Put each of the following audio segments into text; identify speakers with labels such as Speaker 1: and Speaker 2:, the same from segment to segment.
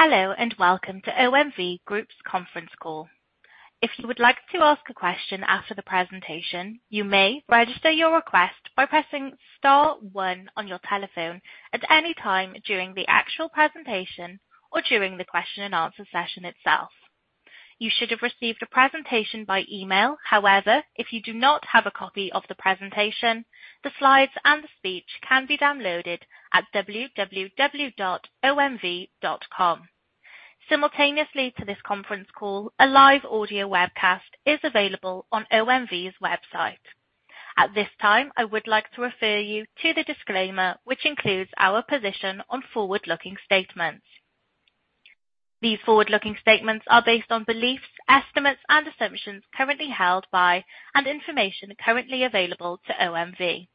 Speaker 1: Hello, and welcome to OMV Group's conference call. If you would like to ask a question after the presentation, you may register your request by pressing star one on your telephone at any time during the actual presentation or during the question and answer session itself. You should have received a presentation by email. However, if you do not have a copy of the presentation, the slides and the speech can be downloaded at www.omv.com. Simultaneously to this conference call, a live audio webcast is available on OMV's website. At this time, I would like to refer you to the disclaimer, which includes our position on forward-looking statements. These forward-looking statements are based on beliefs, estimates, and assumptions currently held by and information currently available to OMV.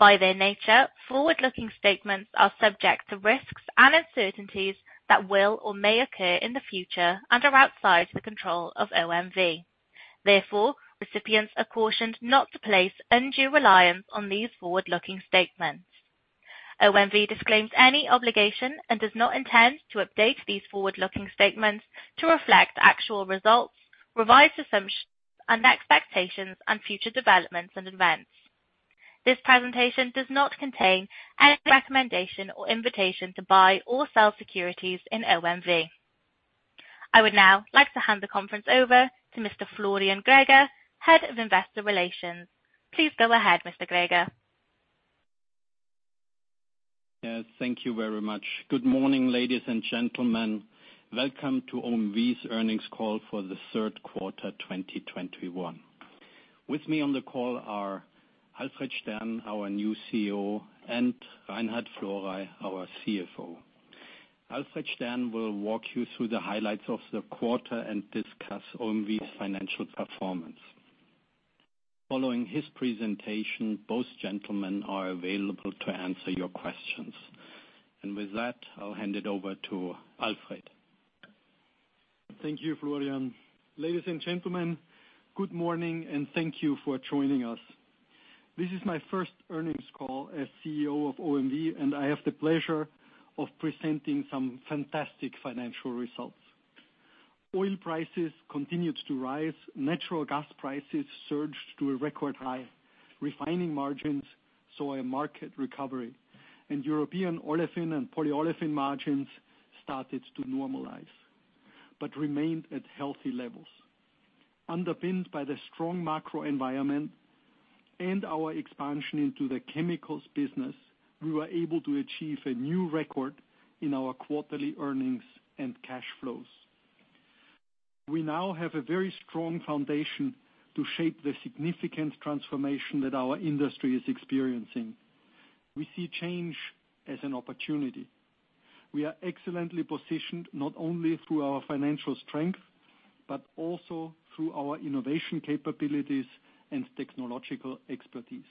Speaker 1: By their nature, forward-looking statements are subject to risks and uncertainties that will or may occur in the future and are outside the control of OMV. Therefore, recipients are cautioned not to place undue reliance on these forward-looking statements. OMV disclaims any obligation and does not intend to update these forward-looking statements to reflect actual results, revised assumptions and expectations on future developments and events. This presentation does not contain any recommendation or invitation to buy or sell securities in OMV. I would now like to hand the conference over to Mr. Florian Greger, Head of Investor Relations. Please go ahead, Mr. Greger.
Speaker 2: Yes, thank you very much. Good morning, ladies and gentlemen. Welcome to OMV's earnings call for the third quarter, 2021. With me on the call are Alfred Stern, our new CEO, and Reinhard Florey, our CFO. Alfred Stern will walk you through the highlights of the quarter and discuss OMV's financial performance. Following his presentation, both gentlemen are available to answer your questions. With that, I'll hand it over to Alfred.
Speaker 3: Thank you, Florian. Ladies and gentlemen, good morning, and thank you for joining us. This is my first earnings call as CEO of OMV, and I have the pleasure of presenting some fantastic financial results. Oil prices continued to rise. Natural gas prices surged to a record high. Refining margins saw a market recovery. European olefin and polyolefin margins started to normalize but remained at healthy levels. Underpinned by the strong macro environment and our expansion into the chemicals business, we were able to achieve a new record in our quarterly earnings and cash flows. We now have a very strong foundation to shape the significant transformation that our industry is experiencing. We see change as an opportunity. We are excellently positioned not only through our financial strength, but also through our innovation capabilities and technological expertise.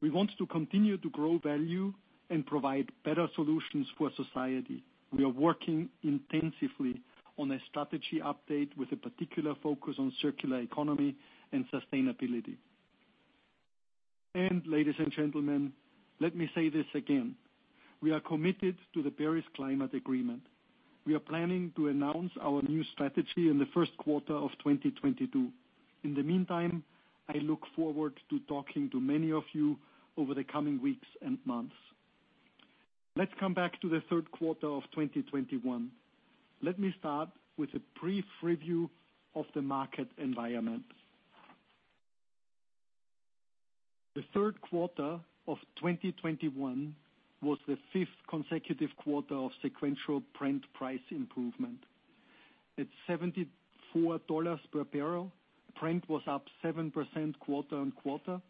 Speaker 3: We want to continue to grow value and provide better solutions for society. We are working intensively on a strategy update with a particular focus on circular economy and sustainability. Ladies and gentlemen, let me say this again, we are committed to the Paris Climate Agreement. We are planning to announce our new strategy in the first quarter of 2022. In the meantime, I look forward to talking to many of you over the coming weeks and months. Let's come back to the third quarter of 2021. Let me start with a brief review of the market environment. The third quarter of 2021 was the fifth consecutive quarter of sequential Brent price improvement. At $74 per barrel, Brent was up 7% quarter on quarter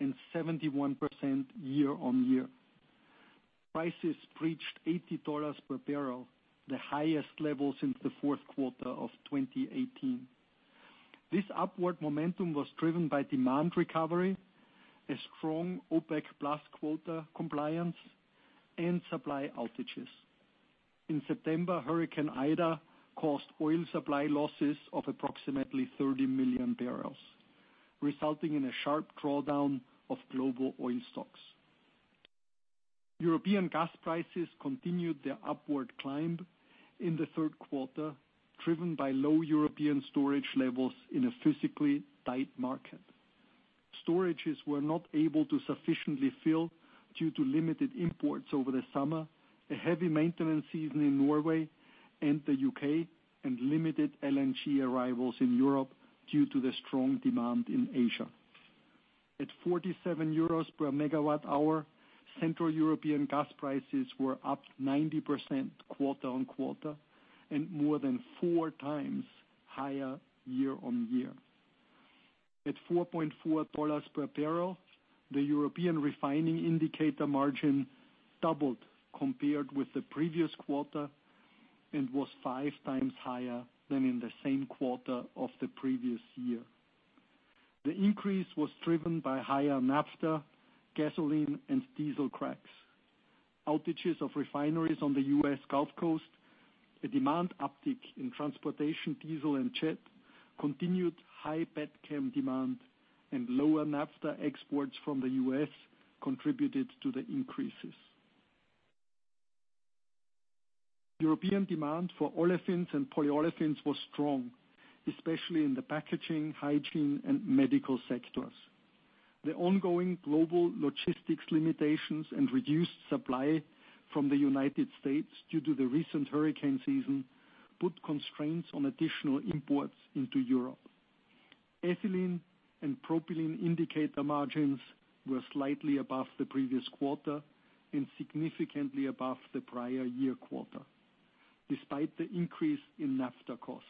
Speaker 3: and 71% year on year. Prices breached $80 per barrel, the highest level since the fourth quarter of 2018. This upward momentum was driven by demand recovery, a strong OPEC+ quota compliance, and supply outages. In September, Hurricane Ida caused oil supply losses of approximately 30 million barrels, resulting in a sharp drawdown of global oil stocks. European gas prices continued their upward climb in the third quarter, driven by low European storage levels in a physically tight market. Storages were not able to sufficiently fill due to limited imports over the summer, a heavy maintenance season in Norway and the U.K., and limited LNG arrivals in Europe due to the strong demand in Asia. At 47 euros per megawatt hour, Central European gas prices were up 90% quarter-on-quarter and more than four times higher year-on-year. At $4.4 per barrel, the European refining indicator margin doubled compared with the previous quarter and was five times higher than in the same quarter of the previous year. The increase was driven by higher naphtha, gasoline, and diesel cracks. Outages of refineries on the U.S. Gulf Coast, a demand uptick in transportation, diesel, and jet fuel. Continued high petrochemical demand and lower naphtha exports from the U.S. contributed to the increases. European demand for olefins and polyolefins was strong, especially in the packaging, hygiene, and medical sectors. The ongoing global logistics limitations and reduced supply from the United States due to the recent hurricane season put constraints on additional imports into Europe. Ethylene and propylene indicator margins were slightly above the previous quarter and significantly above the prior year quarter, despite the increase in naphtha cost.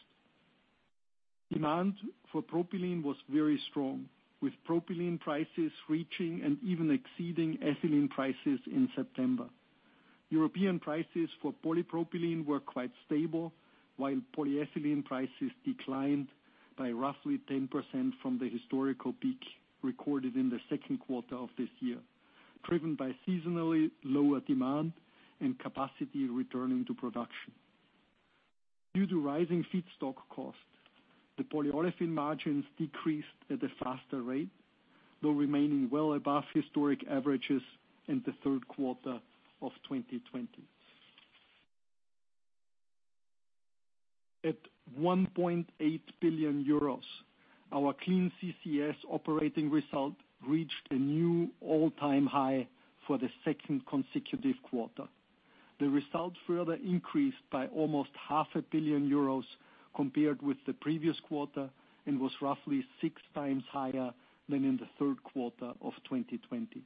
Speaker 3: Demand for propylene was very strong, with propylene prices reaching and even exceeding ethylene prices in September. European prices for polypropylene were quite stable, while polyethylene prices declined by roughly 10% from the historical peak recorded in the second quarter of this year, driven by seasonally lower demand and capacity returning to production. Due to rising feedstock costs, the polyolefin margins decreased at a faster rate, though remaining well above historic averages in the third quarter of 2020. At 1.8 billion euros, our Clean CCS operating result reached a new all-time high for the second consecutive quarter. The results further increased by almost 0.5 billion euros compared with the previous quarter, and was roughly six times higher than in the third quarter of 2020.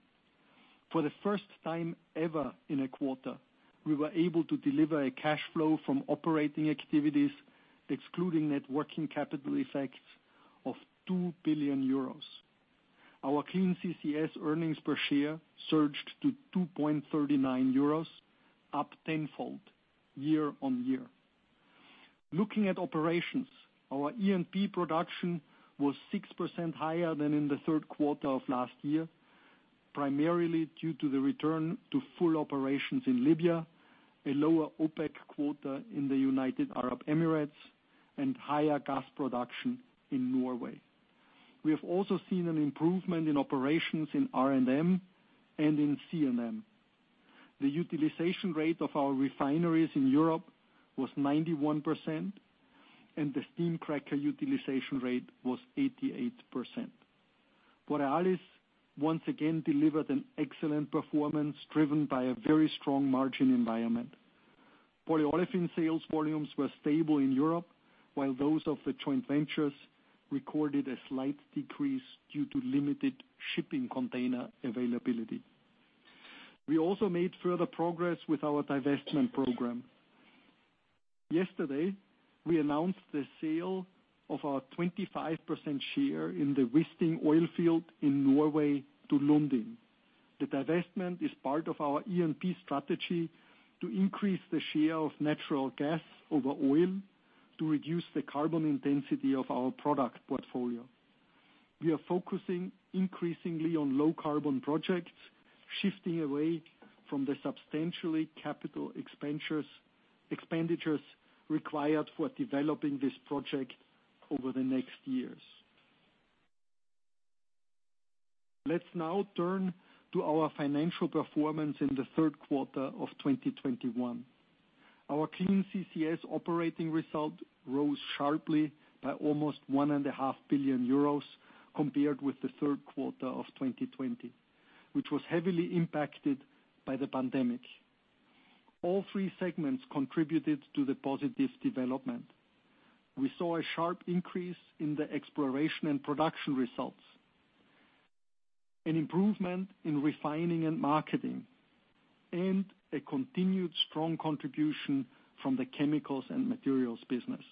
Speaker 3: For the first time ever in a quarter, we were able to deliver a cash flow from operating activities, excluding net working capital effects of EU 2 billion. Our Clean CCS earnings per share surged to 2.39 euros, up tenfold year-on-year. Looking at operations, our E&P production was 6% higher than in the third quarter of last year, primarily due to the return to full operations in Libya, a lower OPEC quota in the United Arab Emirates, and higher gas production in Norway. We have also seen an improvement in operations in R&M and in C&M. The utilization rate of our refineries in Europe was 91%, and the steam cracker utilization rate was 88%. Borealis once again delivered an excellent performance, driven by a very strong margin environment. Polyolefin sales volumes were stable in Europe, while those of the joint ventures recorded a slight decrease due to limited shipping container availability. We also made further progress with our divestment program. Yesterday, we announced the sale of our 25% share in the Wisting oil field in Norway to Lundin. The divestment is part of our E&P strategy to increase the share of natural gas over oil to reduce the carbon intensity of our product portfolio. We are focusing increasingly on low carbon projects, shifting away from the substantial capital expenditures required for developing this project over the next years. Let's now turn to our financial performance in the third quarter of 2021. Our Clean CCS operating result rose sharply by almost 1.5 billion euros compared with the third quarter of 2020, which was heavily impacted by the pandemic. All three segments contributed to the positive development. We saw a sharp increase in the exploration and production results, an improvement in refining and marketing, and a continued strong contribution from the chemicals and materials business.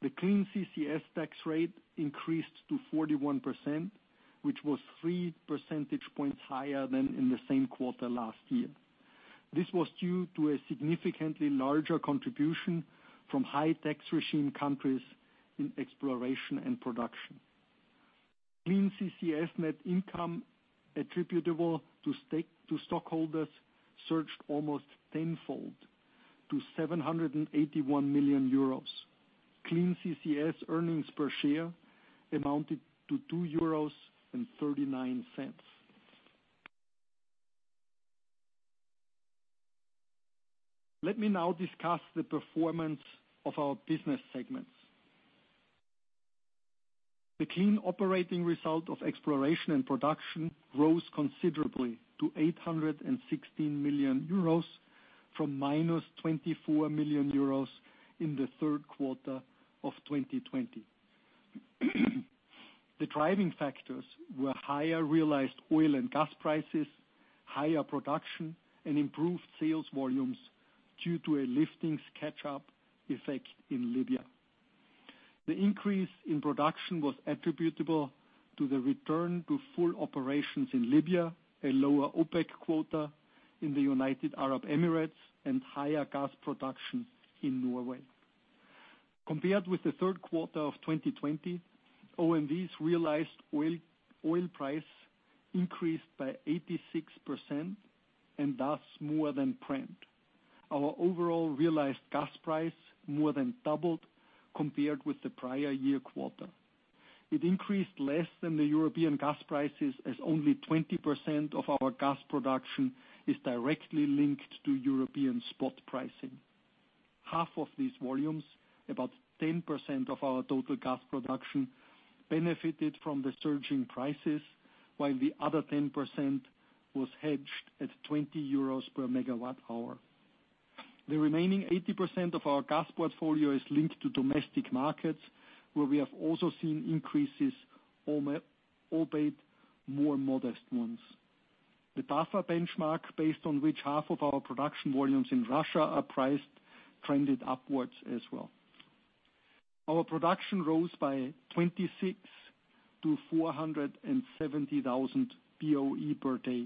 Speaker 3: The Clean CCS tax rate increased to 41%, which was three percentage points higher than in the same quarter last year. This was due to a significantly larger contribution from high tax regime countries in exploration and production. Clean CCS net income attributable to shareholders surged almost tenfold to 781 million euros. Clean CCS earnings per share amounted to 2.39 euros. Let me now discuss the performance of our business segments. The Clean operating result of exploration and production rose considerably to 816 million euros from -24 million euros in the third quarter of 2020. The driving factors were higher realized oil and gas prices, higher production, and improved sales volumes due to a lifting catch-up effect in Libya. The increase in production was attributable to the return to full operations in Libya, a lower OPEC quota in the United Arab Emirates, and higher gas production in Norway. Compared with the third quarter of 2020, OMV's realized oil price increased by 86%. Our overall realized gas price more than doubled compared with the prior-year quarter. It increased less than the European gas prices, as only 20% of our gas production is directly linked to European spot pricing. Half of these volumes, about 10% of our total gas production, benefited from the surging prices, while the other 10% was hedged at 20 euros per megawatt hour. The remaining 80% of our gas portfolio is linked to domestic markets, where we have also seen increases, albeit more modest ones. The tougher benchmark based on which half of our production volumes in Russia are priced trended upwards as well. Our production rose by 26 to 470,000 BOE per day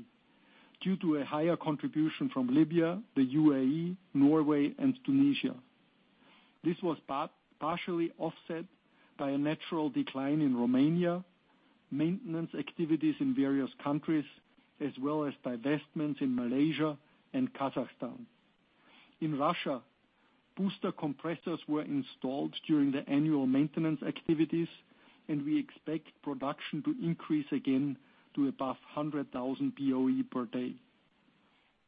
Speaker 3: due to a higher contribution from Libya, the UAE, Norway, and Tunisia. This was partially offset by a natural decline in Romania, maintenance activities in various countries, as well as divestments in Malaysia and Kazakhstan. In Russia, booster compressors were installed during the annual maintenance activities, and we expect production to increase again to above 100,000 BOE per day.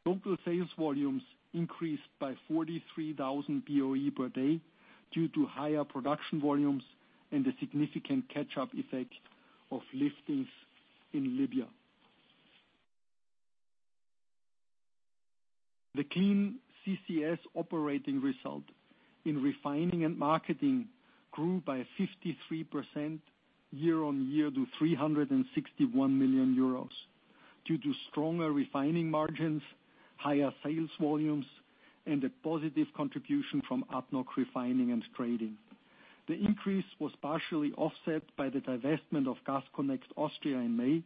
Speaker 3: Total sales volumes increased by 43,000 BOE per day due to higher production volumes and a significant catch-up effect of liftings in Libya. The Clean CCS operating result in refining and marketing grew by 53% year-on-year to 361 million euros due to stronger refining margins, higher sales volumes, and a positive contribution from Upstream Refining and Trading. The increase was partially offset by the divestment of Gas Connect Austria in May.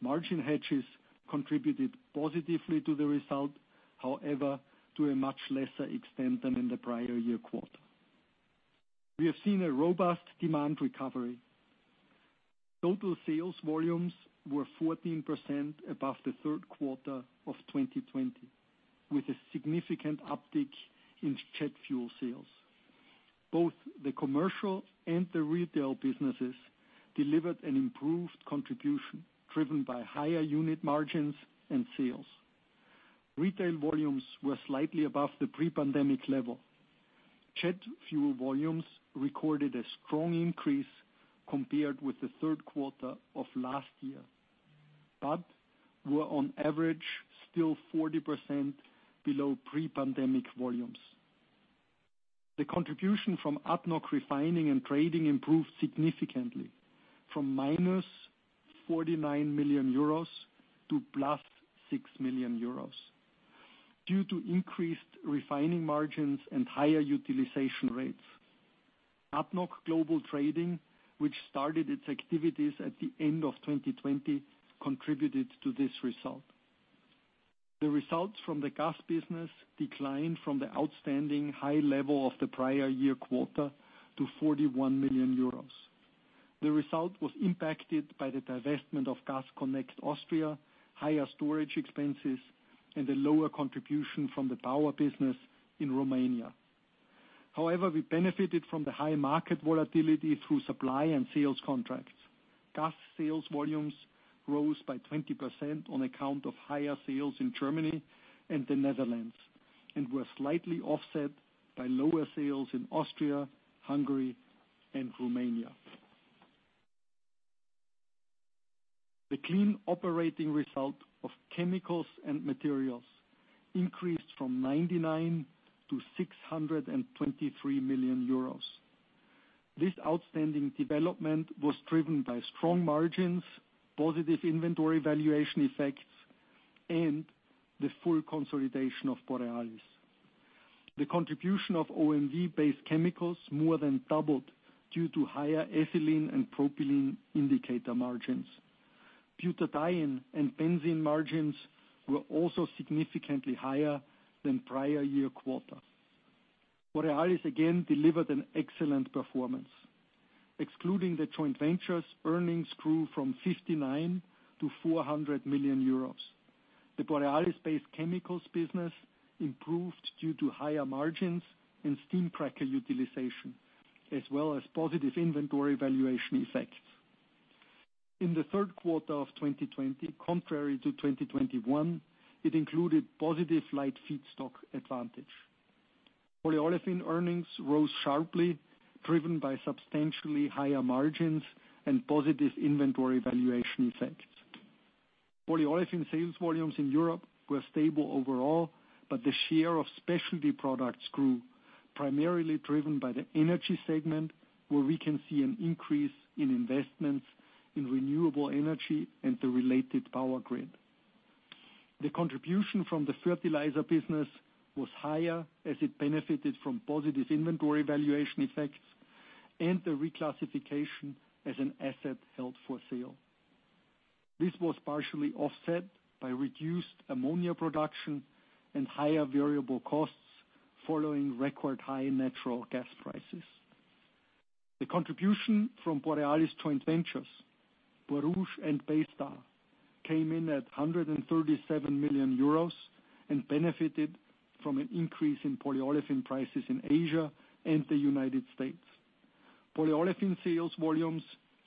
Speaker 3: Margin hedges contributed positively to the result, however, to a much lesser extent than in the prior-year quarter. We have seen a robust demand recovery. Total sales volumes were 14% above the third quarter of 2020, with a significant uptick in jet fuel sales. Both the commercial and the retail businesses delivered an improved contribution driven by higher unit margins and sales. Retail volumes were slightly above the pre-pandemic level. Jet fuel volumes recorded a strong increase compared with the third quarter of last year, but were on average still 40% below pre-pandemic volumes. The contribution from Upstream, Refining and Trading improved significantly from -49 million euros to 6 million euros due to increased refining margins and higher utilization rates. Upstream Global Trading, which started its activities at the end of 2020, contributed to this result. The results from the gas business declined from the outstanding high level of the prior year quarter to 41 million euros. The result was impacted by the divestment of Gas Connect Austria, higher storage expenses, and a lower contribution from the power business in Romania. However, we benefited from the high market volatility through supply and sales contracts. Gas sales volumes rose by 20% on account of higher sales in Germany and the Netherlands, and were slightly offset by lower sales in Austria, Hungary, and Romania. The clean operating result of chemicals and materials increased from 99 million to 623 million euros. This outstanding development was driven by strong margins, positive inventory valuation effects, and the full consolidation of Borealis. The contribution of OMV-based chemicals more than doubled due to higher ethylene and propylene indicator margins. Butadiene and benzene margins were also significantly higher than prior year quarter. Borealis again delivered an excellent performance. Excluding the joint ventures, earnings grew from 59 million to 400 million euros. The Borealis-based chemicals business improved due to higher margins and steam cracker utilization, as well as positive inventory valuation effects. In the third quarter of 2020, contrary to 2021, it included positive light feedstock advantage. Polyolefin earnings rose sharply, driven by substantially higher margins and positive inventory valuation effects. Polyolefin sales volumes in Europe were stable overall, but the share of specialty products grew primarily driven by the energy segment, where we can see an increase in investments in renewable energy and the related power grid. The contribution from the fertilizer business was higher as it benefited from positive inventory valuation effects and the reclassification as an asset held for sale. This was partially offset by reduced ammonia production and higher variable costs following record high natural gas prices. The contribution from Borealis joint ventures, Borouge, and Baystar came in at 137 million euros and benefited from an increase in polyolefin prices in Asia and the United States. Polyolefin sales volumes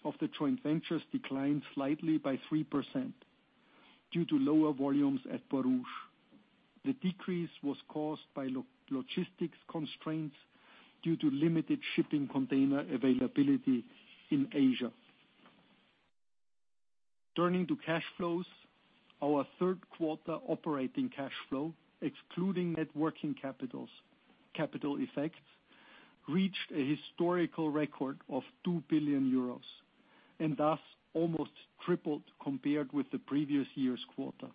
Speaker 3: of the joint ventures declined slightly by 3% due to lower volumes at Borouge. The decrease was caused by logistics constraints due to limited shipping container availability in Asia. Turning to cash flows, our third quarter operating cash flow, excluding net working capitals, capital effects, reached a historical record of 2 billion euros and thus almost tripled compared with the previous year's quarter.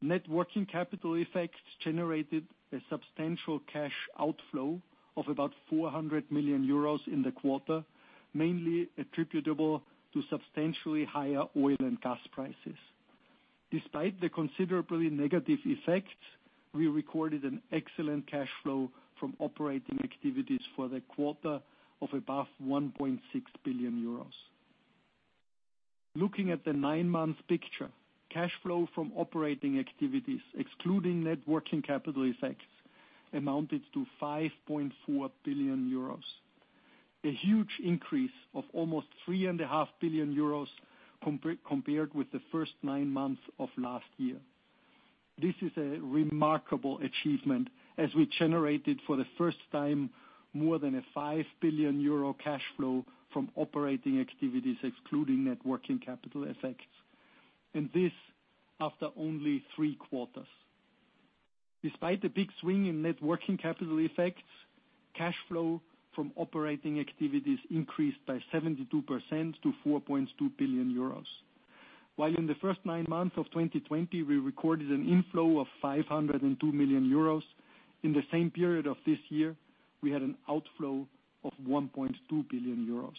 Speaker 3: Net working capital effects generated a substantial cash outflow of about 400 million euros in the quarter, mainly attributable to substantially higher oil and gas prices. Despite the considerably negative effects, we recorded an excellent cash flow from operating activities for the quarter of above 1.6 billion euros. Looking at the nine-month picture, cash flow from operating activities, excluding net working capital effects, amounted to 5.4 billion euros. A huge increase of almost 3.5 billion euros compared with the first nine months of last year. This is a remarkable achievement as we generated, for the first time, more than 5 billion euro cash flow from operating activities, excluding net working capital effects, and this after only three quarters. Despite the big swing in net working capital effects, cash flow from operating activities increased by 72% to 4.2 billion euros. While in the first nine months of 2020, we recorded an inflow of 502 million euros, in the same period of this year, we had an outflow of 1.2 billion euros.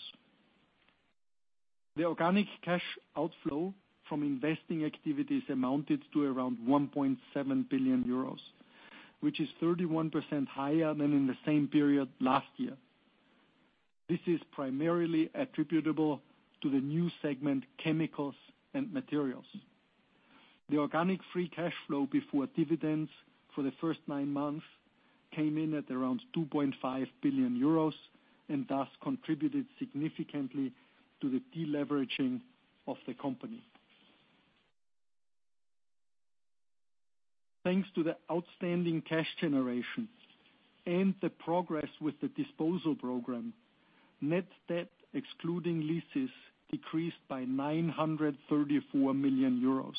Speaker 3: The organic cash outflow from investing activities amounted to around 1.7 billion euros, which is 31% higher than in the same period last year. This is primarily attributable to the new segment, chemicals and materials. The organic free cash flow before dividends for the first nine months came in at around 2.5 billion euros, and thus contributed significantly to the deleveraging of the company. Thanks to the outstanding cash generation and the progress with the disposal program, net debt excluding leases decreased by 934 million euros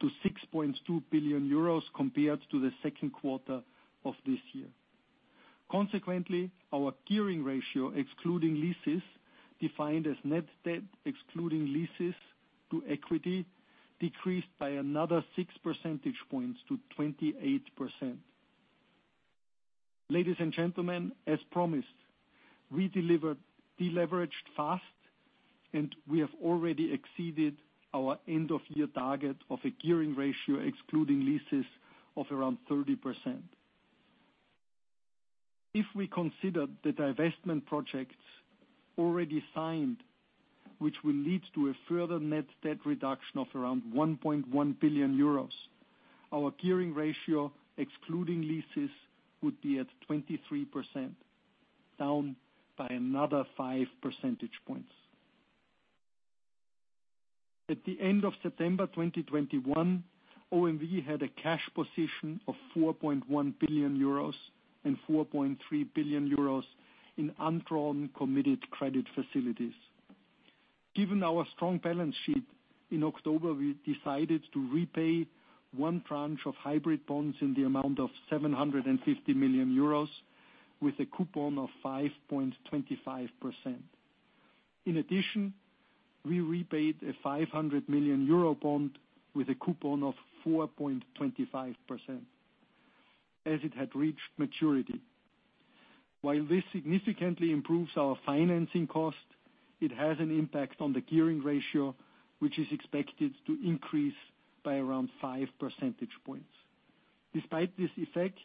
Speaker 3: to 6.2 billion euros compared to the second quarter of this year. Consequently, our gearing ratio, excluding leases, defined as net debt excluding leases to equity, decreased by another 6 percentage points to 28%. Ladies and gentlemen, as promised, we delivered deleveraged fast, and we have already exceeded our end of year target of a gearing ratio, excluding leases of around 30%. If we consider the divestment projects already signed, which will lead to a further net debt reduction of around 1.1 billion euros, our gearing ratio, excluding leases, would be at 23%, down by another five percentage points. At the end of September 2021, OMV had a cash position of 4.1 billion euros and 4.3 billion euros in undrawn committed credit facilities. Given our strong balance sheet, in October, we decided to repay one tranche of hybrid bonds in the amount of 750 million euros with a coupon of 5.25%. In addition, we repaid a 500 million euro bond with a coupon of 4.25%, as it had reached maturity. While this significantly improves our financing cost, it has an impact on the gearing ratio, which is expected to increase by around five percentage points. Despite this effect,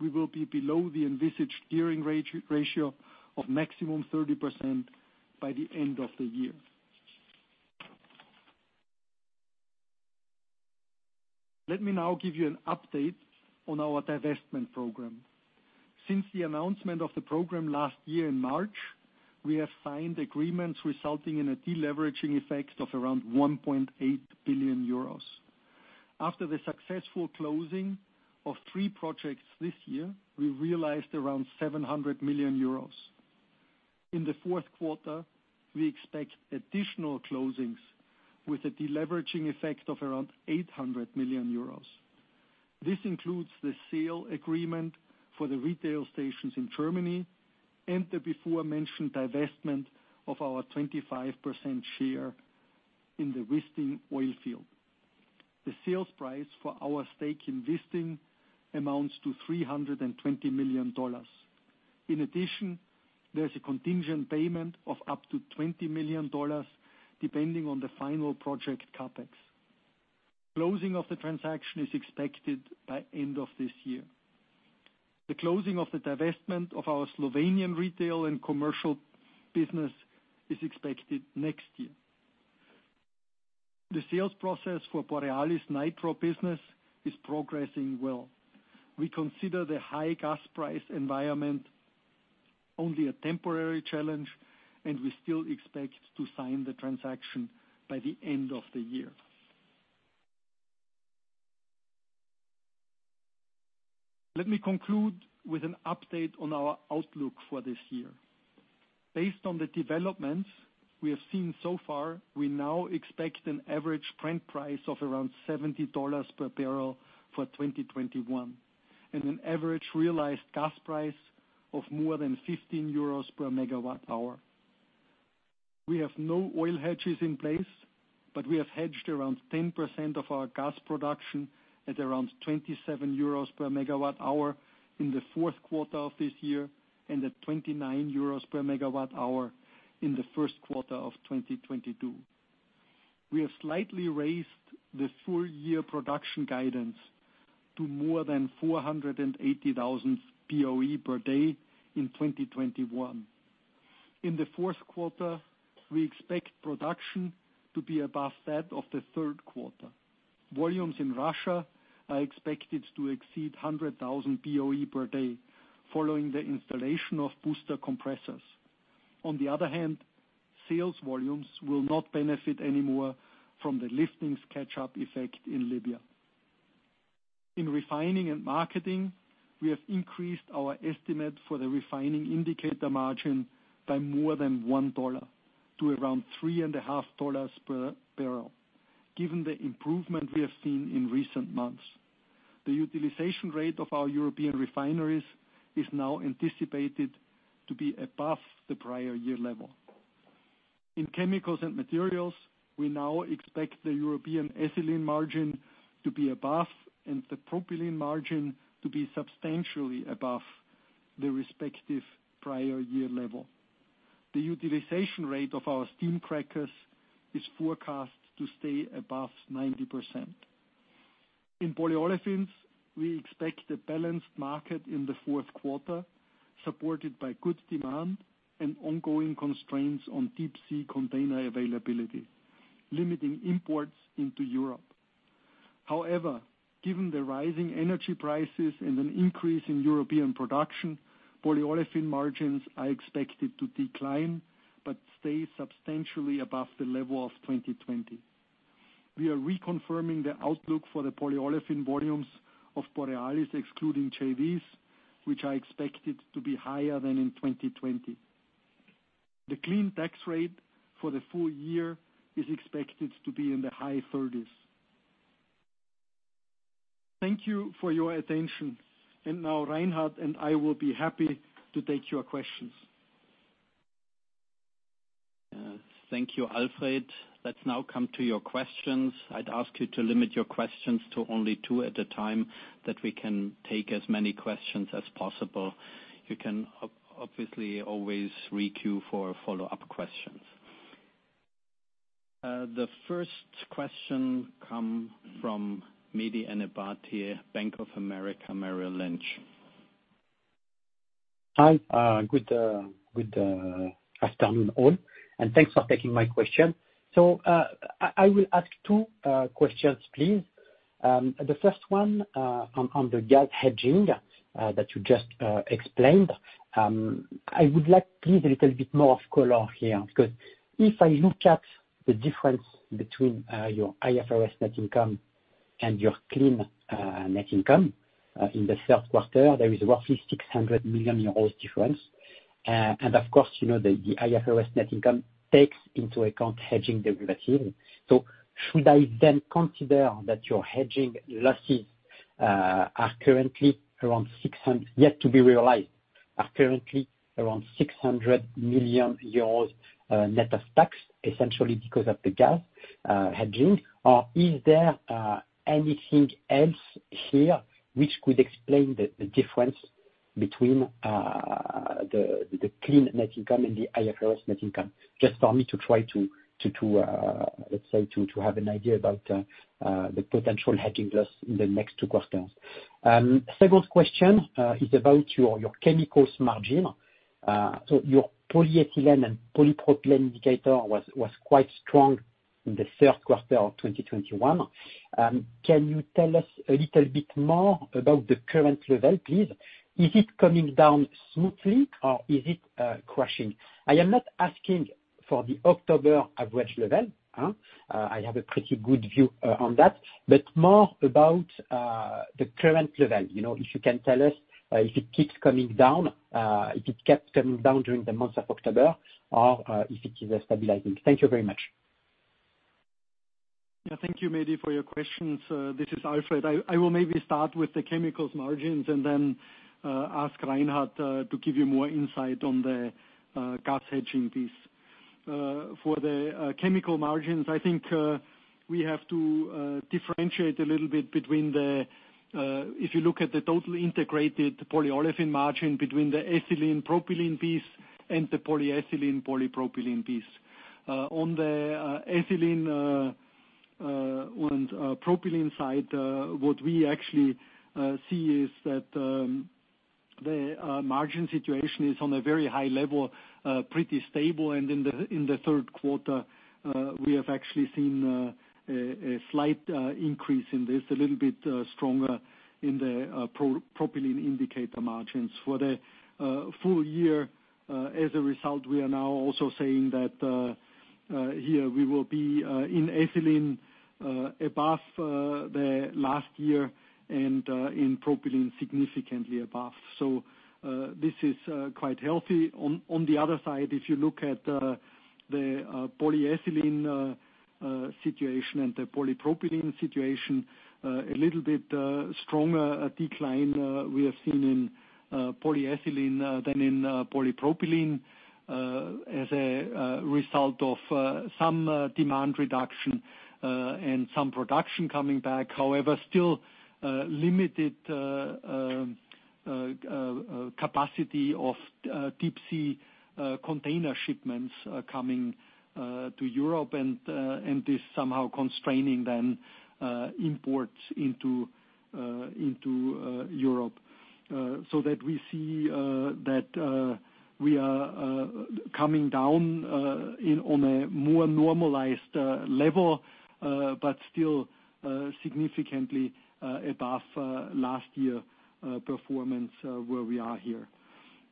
Speaker 3: we will be below the envisaged gearing ratio of maximum 30% by the end of the year. Let me now give you an update on our divestment program. Since the announcement of the program last year in March, we have signed agreements resulting in a deleveraging effect of around 1.8 billion euros. After the successful closing of three projects this year, we realized around 700 million euros. In the fourth quarter, we expect additional closings with a deleveraging effect of around 800 million euros. This includes the sale agreement for the retail stations in Germany and the aforementioned divestment of our 25% share in the Wisting Oil Field. The sales price for our stake in Wisting amounts to $320 million. In addition, there's a contingent payment of up to $20 million depending on the final project CapEx. Closing of the transaction is expected by end of this year. The closing of the divestment of our Slovenian retail and commercial business is expected next year. The sales process for Borealis Nitrogen business is progressing well. We consider the high gas price environment only a temporary challenge, and we still expect to sign the transaction by the end of the year. Let me conclude with an update on our outlook for this year. Based on the developments we have seen so far, we now expect an average Brent price of around $70 per barrel for 2021, and an average realized gas price of more than 15 euros per MWh. We have no oil hedges in place, but we have hedged around 10% of our gas production at around 27 euros per MWh in the fourth quarter of this year, and at 29 euros per MWh in the first quarter of 2022. We have slightly raised the full year production guidance to more than 480,000 BOE per day in 2021. In the fourth quarter, we expect production to be above that of the third quarter. Volumes in Russia are expected to exceed 100,000 BOE per day following the installation of booster compressors. On the other hand, sales volumes will not benefit any more from the liftings catch-up effect in Libya. In refining and marketing, we have increased our estimate for the refining indicator margin by more than $1 to around $3.5 per barrel, given the improvement we have seen in recent months. The utilization rate of our European refineries is now anticipated to be above the prior year level. In chemicals and materials, we now expect the European ethylene margin to be above, and the propylene margin to be substantially above the respective prior year level. The utilization rate of our steam crackers is forecast to stay above 90%. In polyolefins, we expect a balanced market in the fourth quarter, supported by good demand and ongoing constraints on deep sea container availability, limiting imports into Europe. However, given the rising energy prices and an increase in European production, polyolefin margins are expected to decline but stay substantially above the level of 2020. We are reconfirming the outlook for the polyolefin volumes of Borealis, excluding JVs, which are expected to be higher than in 2020. The clean tax rate for the full year is expected to be in the high 30s%. Thank you for your attention, and now Reinhard and I will be happy to take your questions.
Speaker 2: Thank you, Alfred. Let's now come to your questions. I'd ask you to limit your questions to only two at a time, that we can take as many questions as possible. You can obviously always re-queue for follow-up questions. The first question come from Mehdi Ennabati, Bank of America Merrill Lynch.
Speaker 4: Hi, good afternoon, all, and thanks for taking my question. I will ask two questions, please. The first one, on the gas hedging that you just explained. I would like please a little bit more of color here, because if I look at the difference between your IFRS net income and your clean net income in the third quarter, there is roughly 600 million euros difference. Of course, you know, the IFRS net income takes into account hedging derivatives. Should I then consider that your hedging losses, yet to be realized, are currently around 600 million euros, net of tax, essentially because of the gas hedging? Is there anything else here which could explain the difference between the clean net income and the IFRS net income? Just for me to try to, let's say, have an idea about the potential hedging loss in the next two quarters. Second question is about your chemicals margin. So your polyethylene and polypropylene indicator was quite strong in the third quarter of 2021. Can you tell us a little bit more about the current level, please? Is it coming down smoothly or is it crashing? I am not asking for the October average level, huh? I have a pretty good view on that. More about the current level, you know, if you can tell us if it keeps coming down, if it kept coming down during the month of October or if it is stabilizing. Thank you very much.
Speaker 3: Yeah, thank you, Mehdi, for your questions. This is Alfred. I will maybe start with the chemicals margins and then ask Reinhard to give you more insight on the gas hedging piece. For the chemical margins, I think we have to differentiate a little bit between the if you look at the total integrated polyolefin margin between the ethylene propylene piece and the polyethylene polypropylene piece. On the ethylene and propylene side, what we actually see is that the margin situation is on a very high level pretty stable. In the third quarter, we have actually seen a slight increase in this, a little bit stronger in the propylene indicator margins. For the full year, as a result, we are now also saying that here we will be in ethylene above the last year and in propylene significantly above. This is quite healthy. On the other side, if you look at the polyethylene situation and the polypropylene situation, a little bit stronger a decline we have seen in polyethylene than in polypropylene as a result of some demand reduction and some production coming back. However, still limited capacity of deep sea container shipments coming to Europe and is somehow constraining then imports into Europe. that we see that we are coming down to a more normalized level, but still significantly above last year's performance where we are here.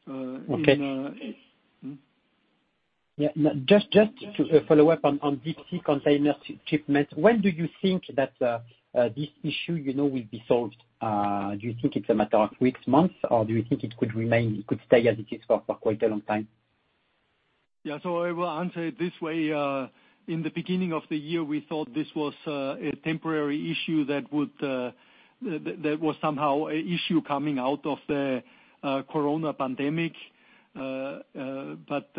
Speaker 4: Okay. Yeah. Just to follow up on deep sea container shipment, when do you think that this issue, you know, will be solved? Do you think it's a matter of weeks, months, or do you think it could remain, stay as it is for quite a long time?
Speaker 3: Yeah. I will answer it this way. In the beginning of the year, we thought this was a temporary issue that was somehow an issue coming out of the corona pandemic. But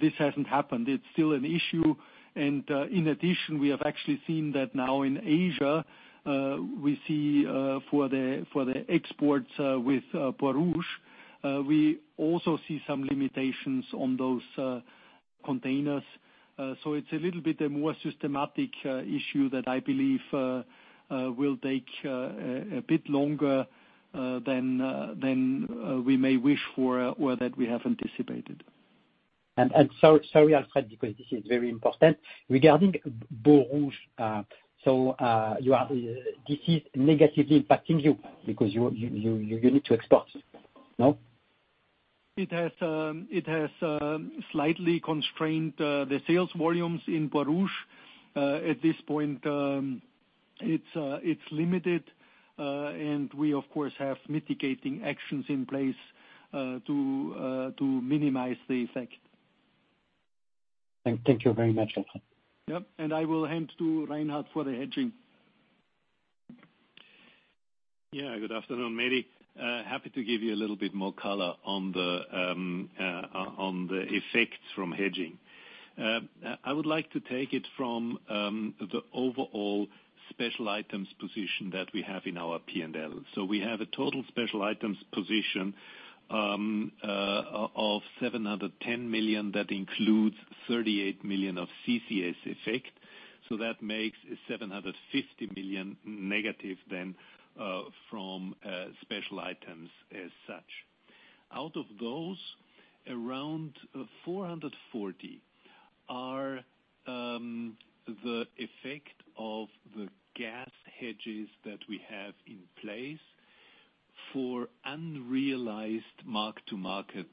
Speaker 3: this hasn't happened. It's still an issue. In addition, we have actually seen that now in Asia, we see for the exports with Borouge, we also see some limitations on those containers. It's a little bit more systematic issue that I believe will take a bit longer than we may wish for or that we have anticipated.
Speaker 4: Sorry, Alfred, because this is very important. Regarding Borouge, this is negatively impacting you because you need to export. No?
Speaker 3: It has slightly constrained the sales volumes in Borouge. At this point, it's limited. We of course have mitigating actions in place to minimize the effect.
Speaker 4: Thank you very much, Alfred.
Speaker 3: Yep. I will hand to Reinhard for the hedging.
Speaker 5: Yeah. Good afternoon, Medy. Happy to give you a little bit more color on the effects from hedging. I would like to take it from the overall special items position that we have in our P&L. We have a total special items position of 710 million. That includes 38 million of CCS effect. That makes 750 million negative then from special items as such. Out of those, around 440 are the effect of the gas hedges that we have in place for unrealized mark-to-market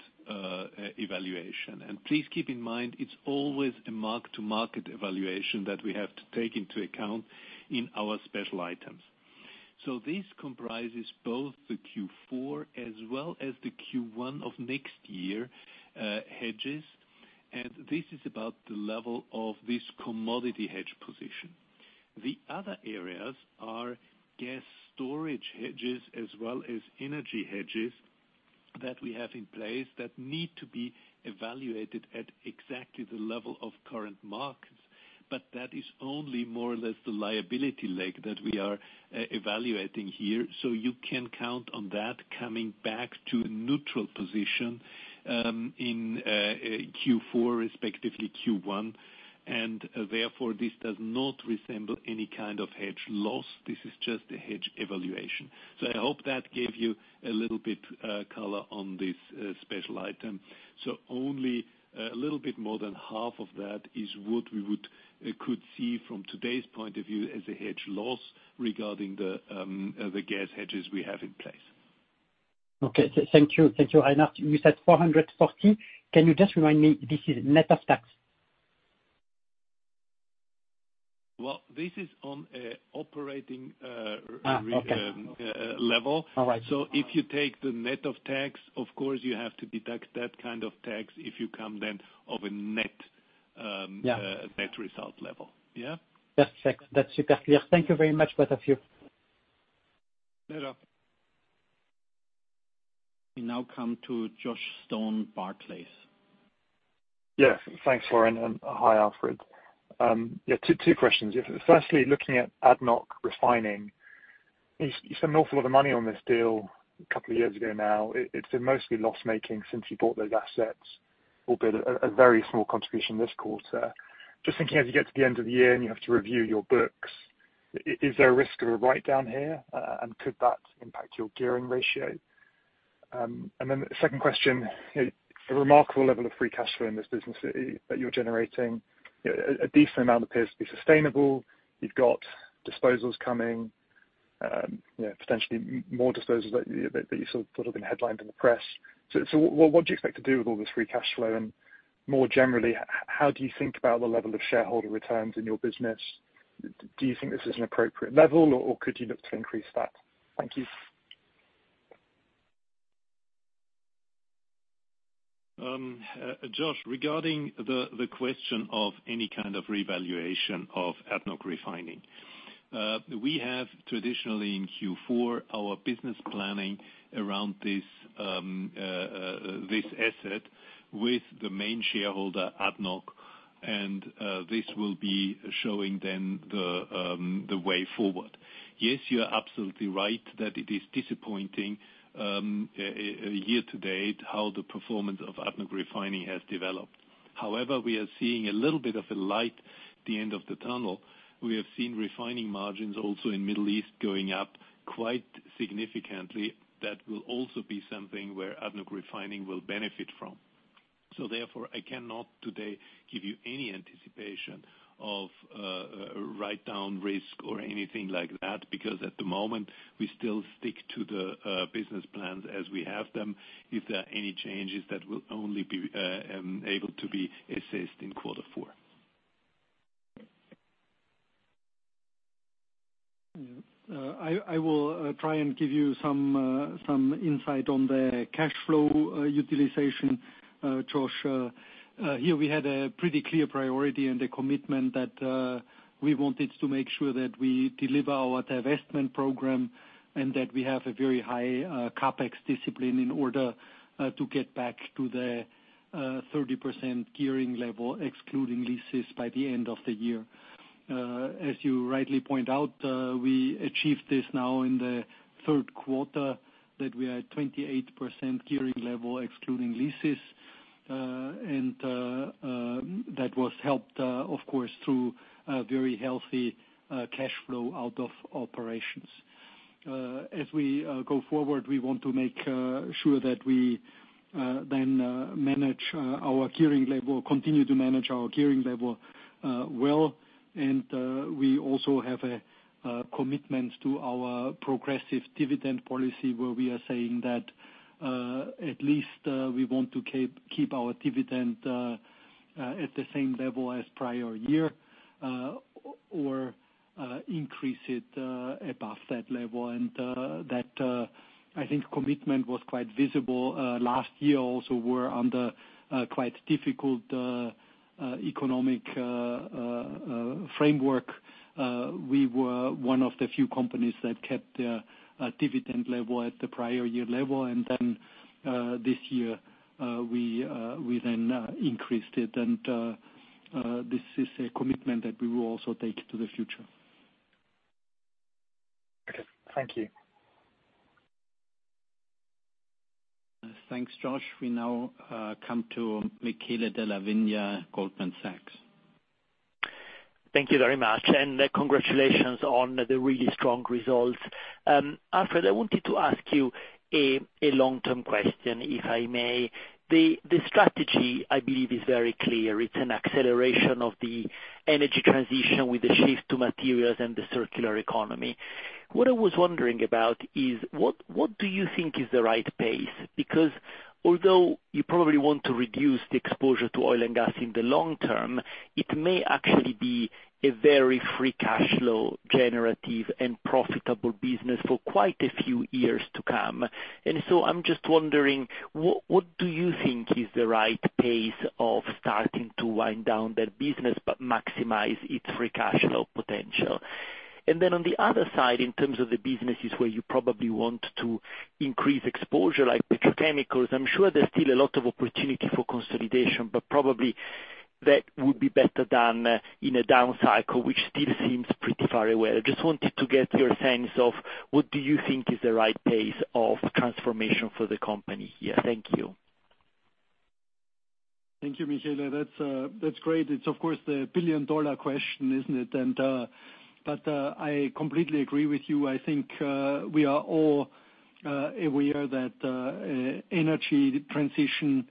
Speaker 5: evaluation. Please keep in mind, it's always a mark-to-market evaluation that we have to take into account in our special items. This comprises both the Q4 as well as the Q1 of next year, hedges, and this is about the level of this commodity hedge position. The other areas are gas storage hedges as well as energy hedges that we have in place that need to be evaluated at exactly the level of current markets, but that is only more or less the liability leg that we are evaluating here. You can count on that coming back to a neutral position in Q4, respectively Q1. Therefore, this does not resemble any kind of hedge loss. This is just a hedge evaluation. I hope that gave you a little bit of color on this special item. Only a little bit more than half of that is what we could see from today's point of view as a hedge loss regarding the gas hedges we have in place.
Speaker 4: Okay. Thank you. Thank you, Reinhard. You said 440. Can you just remind me this is net of tax?
Speaker 5: Well, this is on a operating.
Speaker 4: Okay.
Speaker 5: Level.
Speaker 4: All right.
Speaker 5: If you take the net of tax, of course you have to deduct that kind of tax if you come then of a net.
Speaker 4: Yeah.
Speaker 5: Net result level. Yeah?
Speaker 4: That's correct. That's super clear. Thank you very much, both of you.
Speaker 3: Later.
Speaker 2: We now come to Joshua Stone, Barclays.
Speaker 6: Yes. Thanks, Florian, and hi, Alfred. Yeah, two questions. Firstly, looking at ADNOC Refining, you spent an awful lot of money on this deal a couple of years ago now. It's been mostly loss-making since you bought those assets, albeit a very small contribution this quarter. Just thinking, as you get to the end of the year and you have to review your books. Is there a risk of a write-down here, and could that impact your gearing ratio? And then the second question, a remarkable level of free cash flow in this business that you're generating. A decent amount appears to be sustainable. You've got disposals coming, potentially more disposals that you sort of put up in headlines in the press. So what do you expect to do with all this free cash flow? And more generally, how do you think about the level of shareholder returns in your business? Do you think this is an appropriate level, or could you look to increase that? Thank you.
Speaker 5: Josh, regarding the question of any kind of revaluation of ADNOC Refining. We have traditionally in Q4 our business planning around this asset with the main shareholder, ADNOC, and this will be showing then the way forward. Yes, you are absolutely right that it is disappointing year to date how the performance of ADNOC Refining has developed. However, we are seeing a little bit of a light at the end of the tunnel. We have seen refining margins also in the Middle East going up quite significantly. That will also be something where ADNOC Refining will benefit from. Therefore, I cannot today give you any anticipation of a write-down risk or anything like that, because at the moment, we still stick to the business plans as we have them. If there are any changes, that will only be able to be assessed in quarter four.
Speaker 3: Yeah. I will try and give you some insight on the cash flow utilization, Josh. Here we had a pretty clear priority and a commitment that we wanted to make sure that we deliver our divestment program, and that we have a very high CapEx discipline in order to get back to the 30% gearing level, excluding leases, by the end of the year. As you rightly point out, we achieved this now in the third quarter, that we are at 28% gearing level, excluding leases, and that was helped, of course, through a very healthy cash flow out of operations. As we go forward, we want to make sure that we then manage our gearing level, continue to manage our gearing level well, and we also have a commitment to our progressive dividend policy where we are saying that at least we want to keep our dividend at the same level as prior year or increase it above that level. That commitment was quite visible last year also, we were under quite difficult economic framework. We were one of the few companies that kept their dividend level at the prior year level. Then this year we increased it. This is a commitment that we will also take to the future.
Speaker 6: Okay. Thank you.
Speaker 2: Thanks, Josh. We now come to Michele Della Vigna, Goldman Sachs.
Speaker 7: Thank you very much, and congratulations on the really strong results. Alfred, I wanted to ask you a long-term question, if I may. The strategy, I believe, is very clear. It's an acceleration of the energy transition with the shift to materials and the circular economy. What I was wondering about is, what do you think is the right pace? Because although you probably want to reduce the exposure to oil and gas in the long term, it may actually be a very free cash flow generative and profitable business for quite a few years to come. I'm just wondering, what do you think is the right pace of starting to wind down that business but maximize its free cash flow potential? On the other side, in terms of the businesses where you probably want to increase exposure like petrochemicals, I'm sure there's still a lot of opportunity for consolidation, but probably that would be better done in a down cycle, which still seems pretty far away. I just wanted to get your sense of what do you think is the right pace of transformation for the company here. Thank you.
Speaker 3: Thank you, Michele. That's great. It's of course the billion-dollar question, isn't it? I completely agree with you. I think we are all aware that energy transition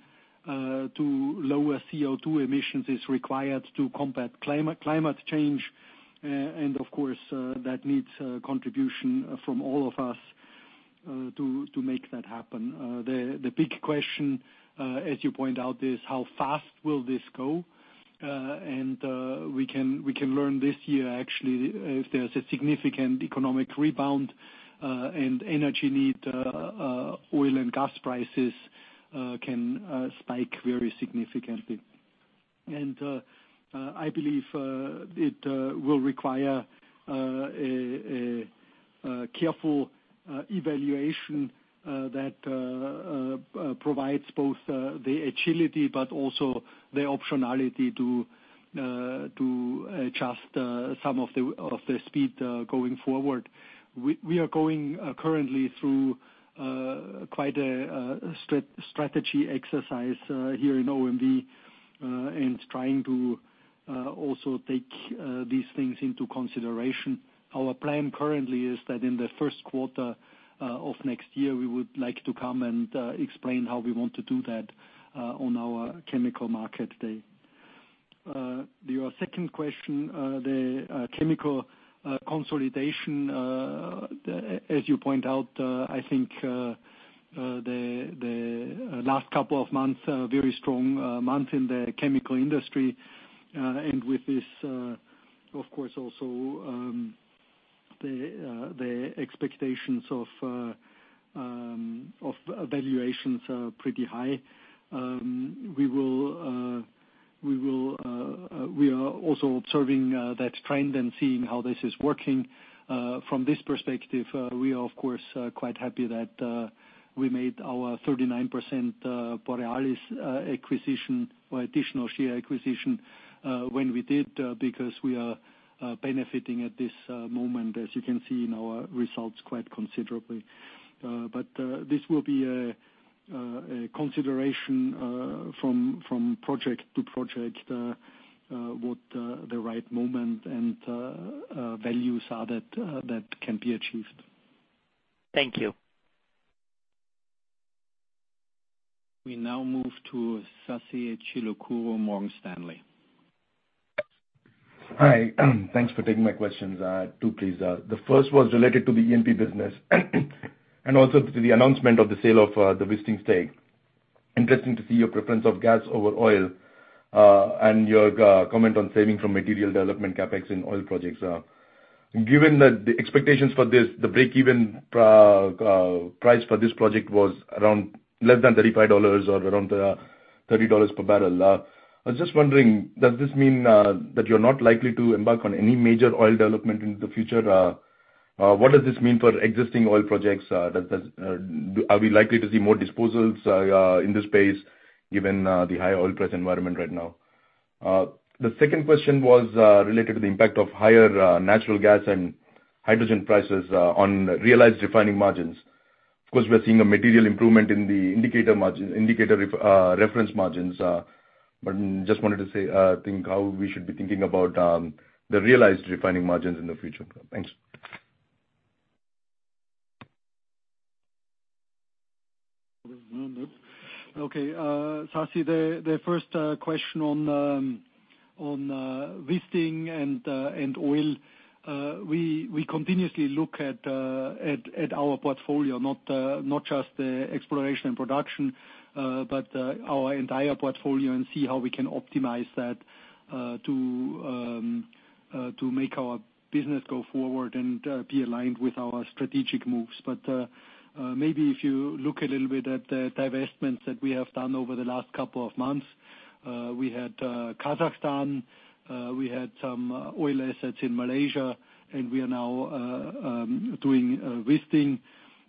Speaker 3: to lower CO2 emissions is required to combat climate change. Of course that needs contribution from all of us to make that happen. The big question, as you point out, is how fast will this go? We can learn this year, actually, if there's a significant economic rebound and energy need, oil and gas prices can spike very significantly. I believe it will require a careful evaluation that provides both the agility but also the optionality to adjust some of the speed going forward. We are currently going through quite a strategy exercise here in OMV and trying to also take these things into consideration. Our plan currently is that in the first quarter of next year, we would like to come and explain how we want to do that on our chemical market day. Your second question, the chemical consolidation, as you point out, I think the last couple of months are very strong months in the chemical industry. With this, of course also, the expectations of valuations are pretty high. We are also observing that trend and seeing how this is working. From this perspective, we are of course quite happy that we made our 39% Borealis acquisition or additional share acquisition when we did, because we are benefiting at this moment, as you can see in our results quite considerably. This will be a consideration from project to project, what the right moment and values are that can be achieved.
Speaker 7: Thank you.
Speaker 2: We now move to Sasikanth Chilukuru, Morgan Stanley.
Speaker 8: Hi. Thanks for taking my questions. Two please. The first was related to the E&P business and also to the announcement of the sale of the Wisting stake. Interesting to see your preference of gas over oil and your comment on saving from material development CapEx in oil projects. Given that the expectations for this, the break-even price for this project was around less than $35 or around $30 per barrel. I was just wondering, does this mean that you're not likely to embark on any major oil development in the future? What does this mean for existing oil projects? Are we likely to see more disposals in this space given the high oil price environment right now? The second question was related to the impact of higher natural gas and hydrogen prices on realized refining margins. Of course, we're seeing a material improvement in the reference margins. Just wanted to say, think how we should be thinking about the realized refining margins in the future. Thanks.
Speaker 3: Okay. Sasi, the first question on Wisting and oil. We continuously look at our portfolio, not just the exploration and production, but our entire portfolio and see how we can optimize that to make our business go forward and be aligned with our strategic moves. Maybe if you look a little bit at the divestments that we have done over the last couple of months, we had Kazakhstan, we had some oil assets in Malaysia, and we are now doing Wisting,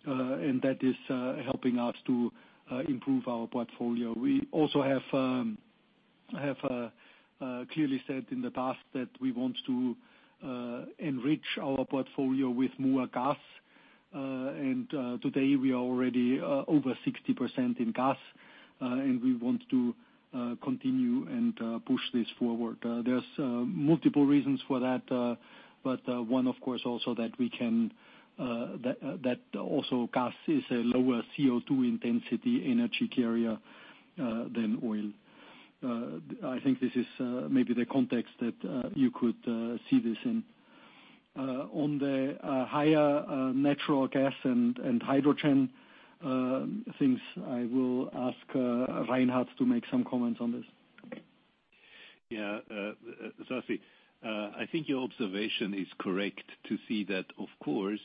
Speaker 3: and that is helping us to improve our portfolio. We also have clearly said in the past that we want to enrich our portfolio with more gas. Today we are already over 60% in gas, and we want to continue and push this forward. There are multiple reasons for that, but one of course also that gas is a lower CO2 intensity energy carrier than oil. I think this is maybe the context that you could see this in. On the higher natural gas and hydrogen things, I will ask Reinhard to make some comments on this.
Speaker 5: Yeah. Sasi, I think your observation is correct to see that of course,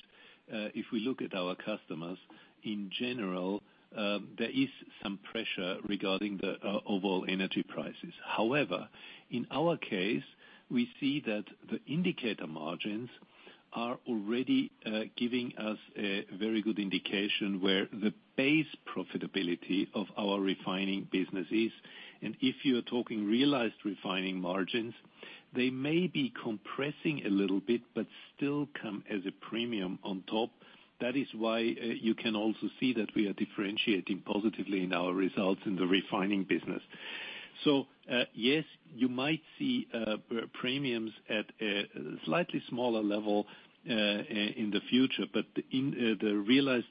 Speaker 5: if we look at our customers, in general, there is some pressure regarding the overall energy prices. However, in our case, we see that the indicator margins are already giving us a very good indication where the base profitability of our refining business is. If you are talking realized refining margins, they may be compressing a little bit, but still come as a premium on top. That is why you can also see that we are differentiating positively in our results in the refining business. Yes, you might see premiums at a slightly smaller level in the future, but the realized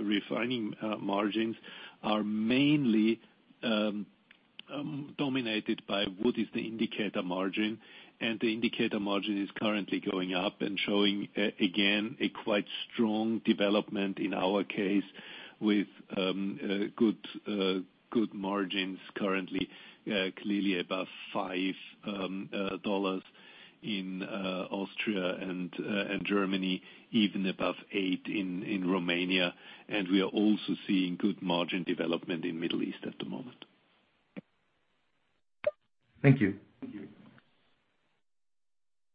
Speaker 5: refining margins are mainly dominated by what is the indicator margin. The indicator margin is currently going up and showing a quite strong development in our case with good margins currently clearly above $5 in Austria and Germany, even above $8 in Romania. We are also seeing good margin development in the Middle East.
Speaker 3: Thank you.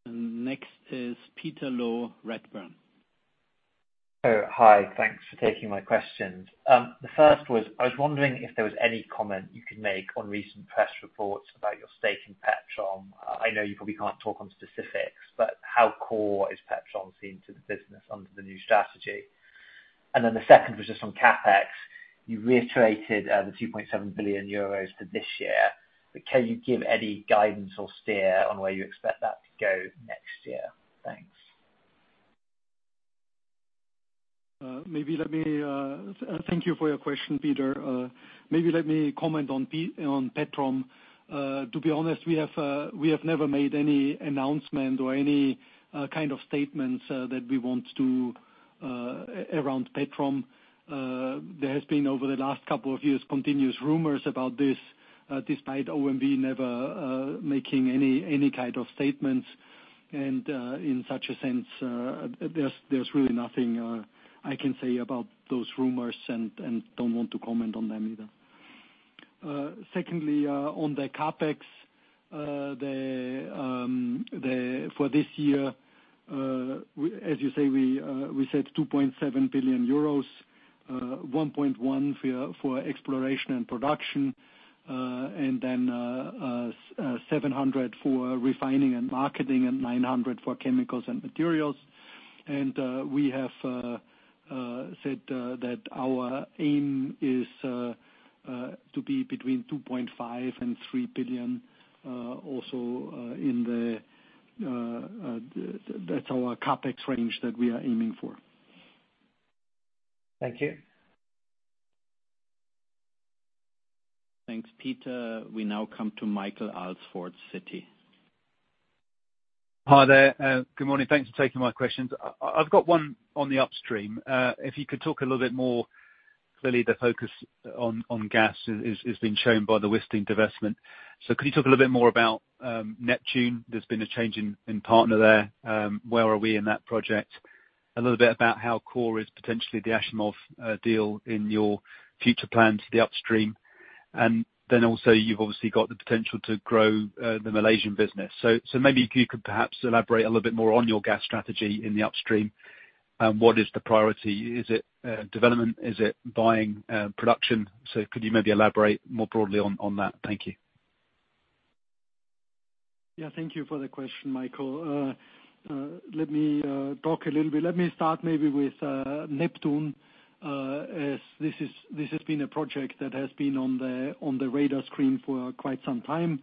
Speaker 2: Next is Peter Low, Redburn.
Speaker 9: Hi. Thanks for taking my questions. The first was, I was wondering if there was any comment you could make on recent press reports about your stake in Petrom. I know you probably can't talk on specifics, but how core is Petrom seen to the business under the new strategy? The second was just on CapEx. You reiterated the 2.7 billion euros for this year. Can you give any guidance or steer on where you expect that to go next year? Thanks.
Speaker 3: Thank you for your question, Peter. Maybe let me comment on Petrom. To be honest, we have never made any announcement or any kind of statement that we want to around Petrom. There has been over the last couple of years continuous rumors about this despite OMV never making any kind of statements. In such a sense, there's really nothing I can say about those rumors and don't want to comment on them either. Secondly, on the CapEx, for this year, as you say, we said 2.7 billion euros, 1.1 billion for exploration and production. 700 for refining and marketing, and 900 for chemicals and materials. We have said that our aim is to be between 2.5 billion and 3 billion. Also, that's our CapEx range that we are aiming for.
Speaker 9: Thank you.
Speaker 2: Thanks, Peter. We now come to Michael Alsford, Citi.
Speaker 10: Hi there. Good morning. Thanks for taking my questions. I've got one on the Upstream. If you could talk a little bit more, clearly the focus on gas has been shown by the Wisting divestment. Could you talk a little bit more about Neptune? There's been a change in partner there. Where are we in that project? A little bit about how core is potentially the Achimov deal in your future plans for the Upstream. And then also, you've obviously got the potential to grow the Malaysian business. Maybe if you could perhaps elaborate a little bit more on your gas strategy in the Upstream. What is the priority? Is it development? Is it buying production? Could you maybe elaborate more broadly on that? Thank you.
Speaker 3: Yeah, thank you for the question, Michael. Let me talk a little bit. Let me start maybe with Neptune. As this has been a project that has been on the radar screen for quite some time.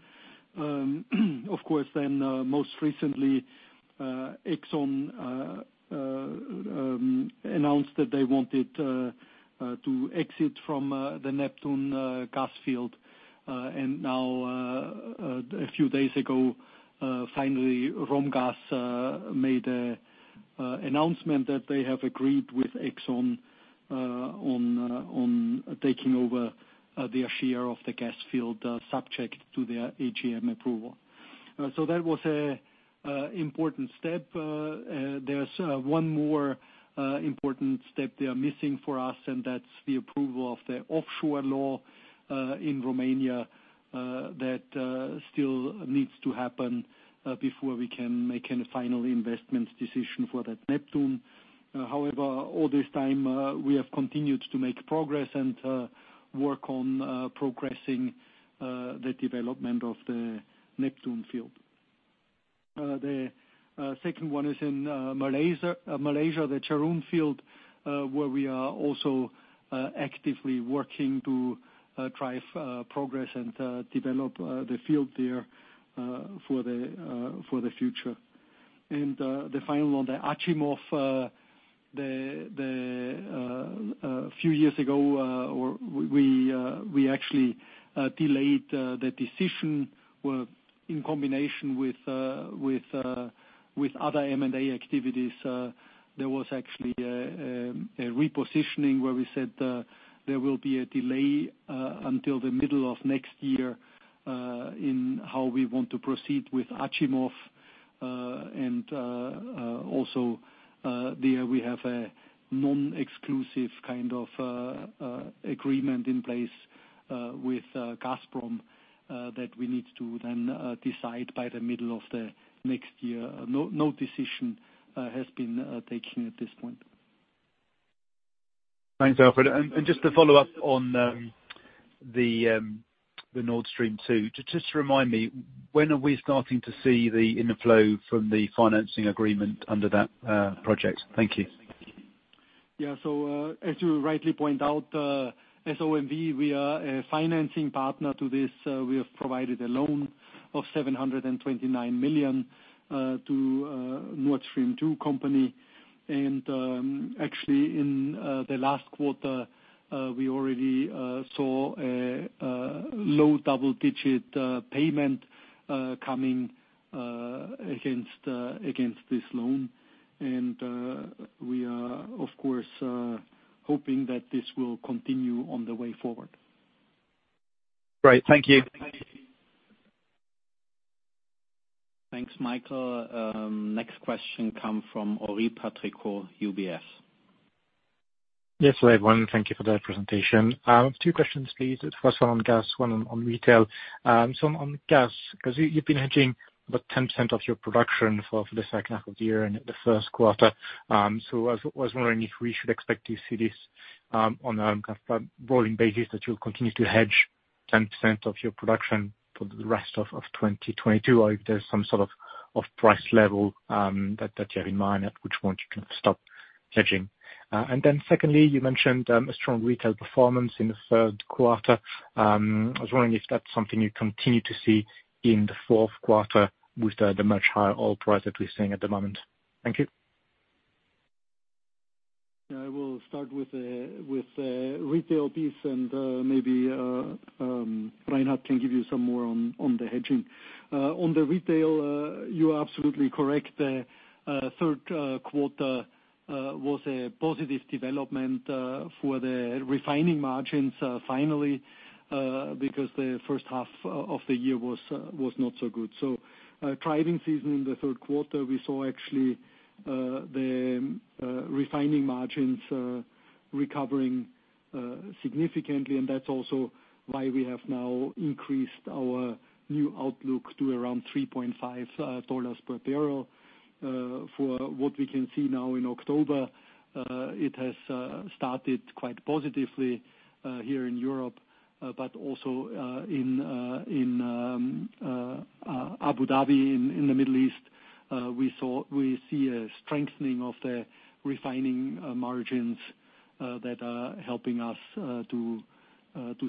Speaker 3: Of course, most recently, ExxonMobil announced that they wanted to exit from the Neptune gas field. Now, a few days ago, finally, Romgaz made an announcement that they have agreed with ExxonMobil on taking over their share of the gas field, subject to their AGM approval. That was an important step. There's one more important step they are missing for us, and that's the approval of the offshore law in Romania that still needs to happen before we can make any final investment decision for that Neptune. However, all this time, we have continued to make progress and work on progressing the development of the Neptune field. The second one is in Malaysia, the Chereng field, where we are also actively working to drive progress and develop the field there for the future. The final one, the Achimov. A few years ago, we actually delayed the decision where in combination with other M&A activities, there was actually a repositioning where we said there will be a delay until the middle of next year in how we want to proceed with Achimov. Also, there we have a non-exclusive kind of agreement in place with Gazprom that we need to then decide by the middle of the next year. No decision has been taken at this point.
Speaker 10: Thanks, Alfred. Just to follow up on the Nord Stream 2. Just to remind me, when are we starting to see the inflow from the financing agreement under that project? Thank you.
Speaker 3: Yeah, as you rightly point out, as OMV, we are a financing partner to this. We have provided a loan of 729 million to Nord Stream 2 AG. Actually in the last quarter, we already saw a low double-digit payment coming against this loan. We are of course hoping that this will continue on the way forward.
Speaker 10: Great. Thank you.
Speaker 2: Thanks, Michael. Next question comes from Henri Patricot, UBS.
Speaker 11: Yes. Hello, everyone. Thank you for that presentation. Two questions please. First one on gas, one on retail. So on gas, because you've been hedging about 10% of your production for the second half of the year and the first quarter. So I was wondering if we should expect to see this on a kind of a rolling basis, that you'll continue to hedge 10% of your production for the rest of 2022, or if there's some sort of price level that you have in mind at which point you can stop hedging? And then secondly, you mentioned a strong retail performance in the third quarter. I was wondering if that's something you continue to see in the fourth quarter with the much higher oil price that we're seeing at the moment. Thank you.
Speaker 3: Yeah, I will start with the refining piece and maybe Reinhard can give you some more on the hedging. On the refining, you are absolutely correct. The third quarter was a positive development for the refining margins, finally, because the first half of the year was not so good. Driving season in the third quarter, we saw actually the refining margins recovering significantly, and that's also why we have now increased our new outlook to around $3.5 per barrel. For what we can see now in October, it has started quite positively here in Europe, but also in Abu Dhabi in the Middle East, we saw... We see a strengthening of the refining margins that are helping us to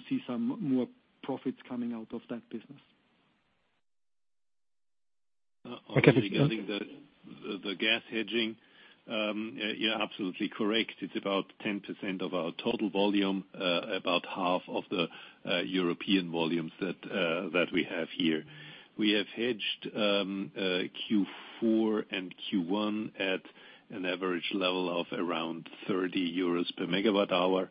Speaker 3: see some more profits coming out of that business.
Speaker 11: Okay.
Speaker 5: Regarding the gas hedging, you're absolutely correct. It's about 10% of our total volume, about half of the European volumes that we have here. We have hedged Q4 and Q1 at an average level of around 30 euros per megawatt hour,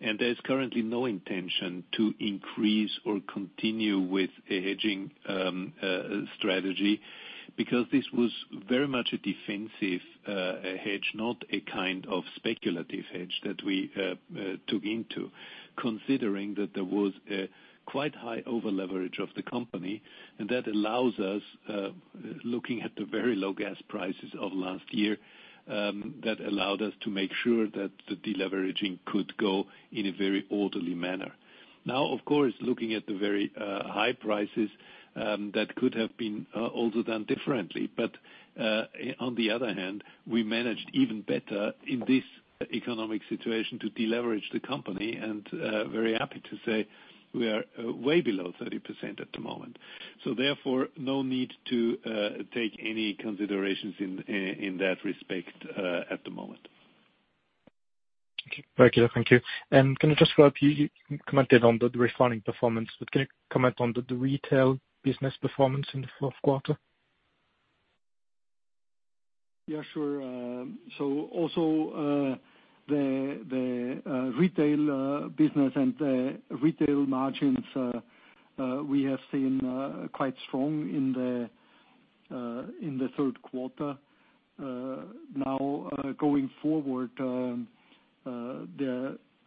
Speaker 5: and there's currently no intention to increase or continue with a hedging strategy because this was very much a defensive hedge, not a kind of speculative hedge that we took into consideration, considering that there was a quite high overleverage of the company. That allows us, looking at the very low gas prices of last year, that allowed us to make sure that the deleveraging could go in a very orderly manner. Now, of course, looking at the very high prices, that could have been also done differently. On the other hand, we managed even better in this economic situation to deleverage the company, and very happy to say we are way below 30% at the moment. Therefore, no need to take any considerations in that respect at the moment.
Speaker 11: Okay. Very clear. Thank you. Can I just follow up? You commented on the refining performance, but can you comment on the retail business performance in the fourth quarter?
Speaker 3: Yeah, sure. Also, the retail business and the retail margins we have seen quite strong in the third quarter. Now, going forward,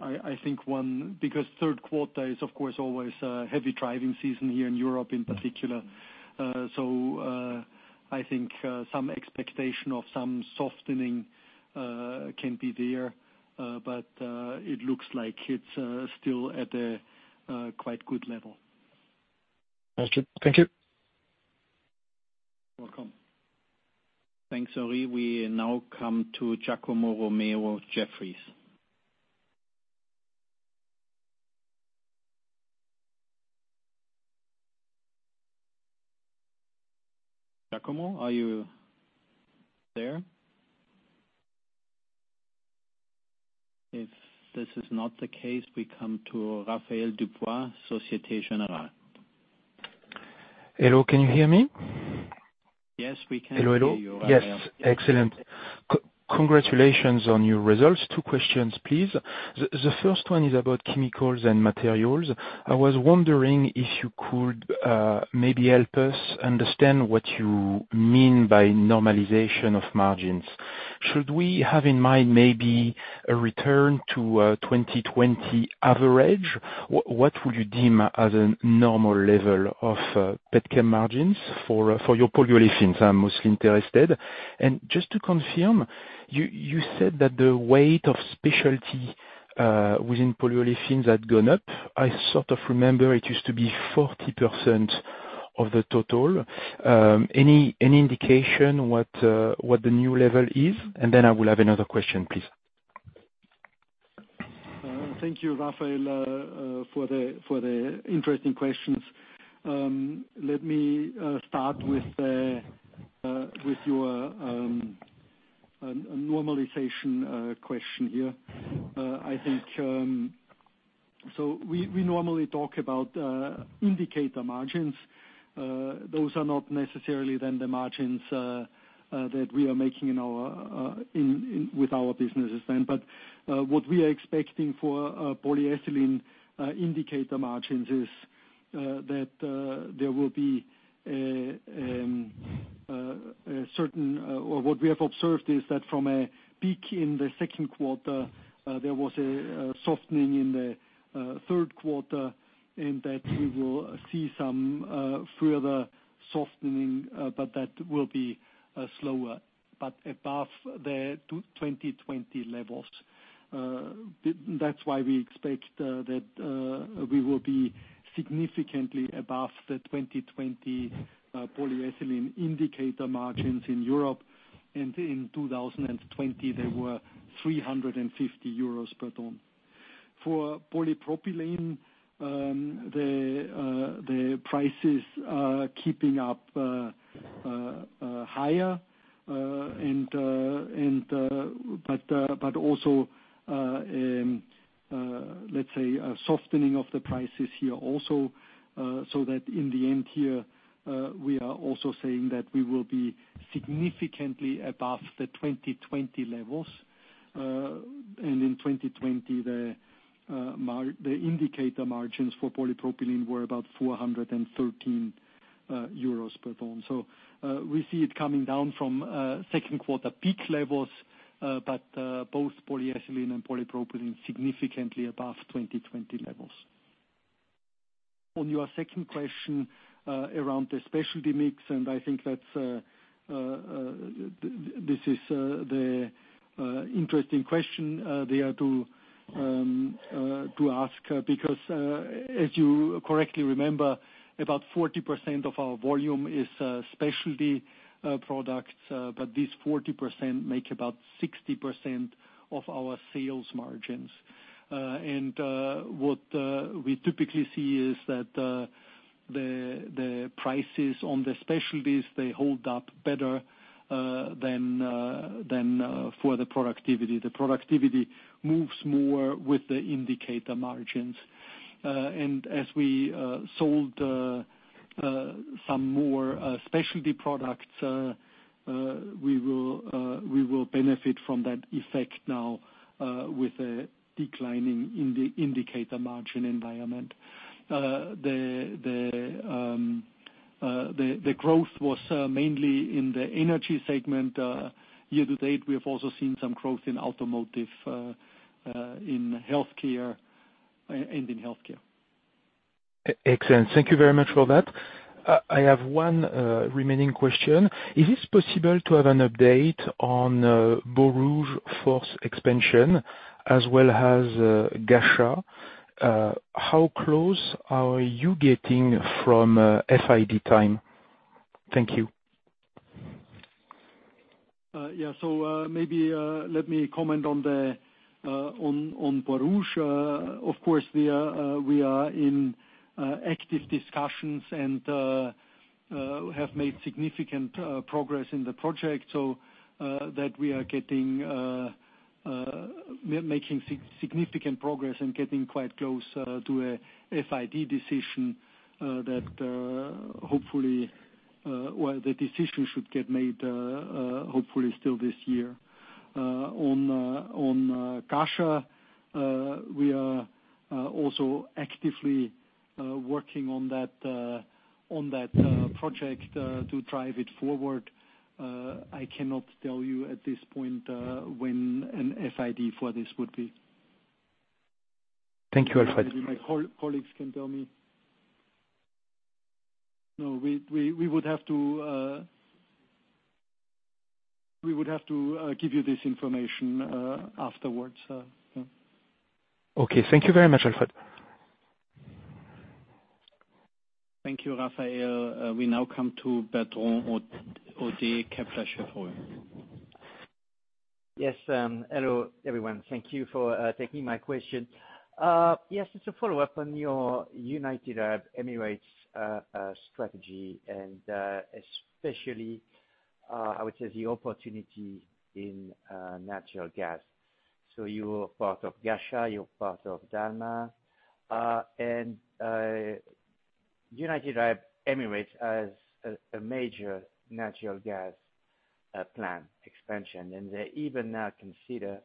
Speaker 3: I think, because third quarter is of course always a heavy driving season here in Europe in particular, so I think some expectation of some softening can be there. It looks like it's still at a quite good level.
Speaker 11: Understood. Thank you.
Speaker 2: You're welcome. Thanks, Henri. We now come to Giacomo Romeo, Jefferies. Giacomo, are you there? If this is not the case, we come to Raphaël Dubois, Société Générale.
Speaker 12: Hello, can you hear me?
Speaker 5: Yes, we can hear you, Raphaël.
Speaker 12: Hello, hello. Yes. Excellent. Congratulations on your results. Two questions, please. The first one is about chemicals and materials. I was wondering if you could maybe help us understand what you mean by normalization of margins. Should we have in mind maybe a return to 2020 average? What would you deem as a normal level of petchem margins for your polyolefins? I'm mostly interested. Just to confirm, you said that the weight of specialty within polyolefins had gone up. I sort of remember it used to be 40% of the total. Any indication what the new level is? Then I will have another question please.
Speaker 3: Thank you, Raphaël, for the interesting questions. Let me start with your normalization question here. I think we normally talk about indicator margins. Those are not necessarily then the margins that we are making in our businesses then. What we are expecting for polyethylene indicator margins is that there will be a certain or what we have observed is that from a peak in the second quarter there was a softening in the third quarter in that we will see some further softening but that will be slower but above the 2020 levels. That's why we expect that we will be significantly above the 2020 polyethylene indicator margins in Europe, and in 2020 they were 350 euros per ton. For polypropylene, the prices are keeping up higher and but also let's say a softening of the prices here also, so that in the end we are also saying that we will be significantly above the 2020 levels. In 2020 the indicator margins for polypropylene were about 413 euros per ton. We see it coming down from second quarter peak levels, but both polyethylene and polypropylene significantly above 2020 levels. On your second question, around the specialty mix, I think this is the interesting question to ask, because as you correctly remember, about 40% of our volume is specialty products, but this 40% make about 60% of our sales margins. What we typically see is that the prices on the specialties they hold up better than the commodity. The commodity moves more with the indicator margins. As we sold some more specialty products, we will benefit from that effect now, with a decline in the indicator margin environment. The growth was mainly in the energy segment, year to date. We have also seen some growth in automotive and in healthcare.
Speaker 12: Excellent. Thank you very much for that. I have one remaining question. Is it possible to have an update on Borouge fourth expansion as well as Ghasha? How close are you getting from FID time? Thank you.
Speaker 3: Maybe let me comment on Borouge. Of course we are in active discussions and have made significant progress in the project so that we are making significant progress and getting quite close to a FID decision that hopefully the decision should get made hopefully still this year. On Ghasha, we are also actively working on that project to drive it forward. I cannot tell you at this point when an FID for this would be.
Speaker 12: Thank you, Alfred.
Speaker 3: Maybe my colleagues can tell me. No, we would have to give you this information afterwards, yeah.
Speaker 12: Okay. Thank you very much, Alfred.
Speaker 2: Thank you, Raphaël. We now come to Bertrand Hodée, Kepler Cheuvreux.
Speaker 13: Yes. Hello everyone. Thank you for taking my question. Yes, it's a follow-up on your United Arab Emirates strategy and especially I would say the opportunity in natural gas. You're part of Ghasha, you're part of Dalma, and United Arab Emirates has a major natural gas planned expansion, and they even now consider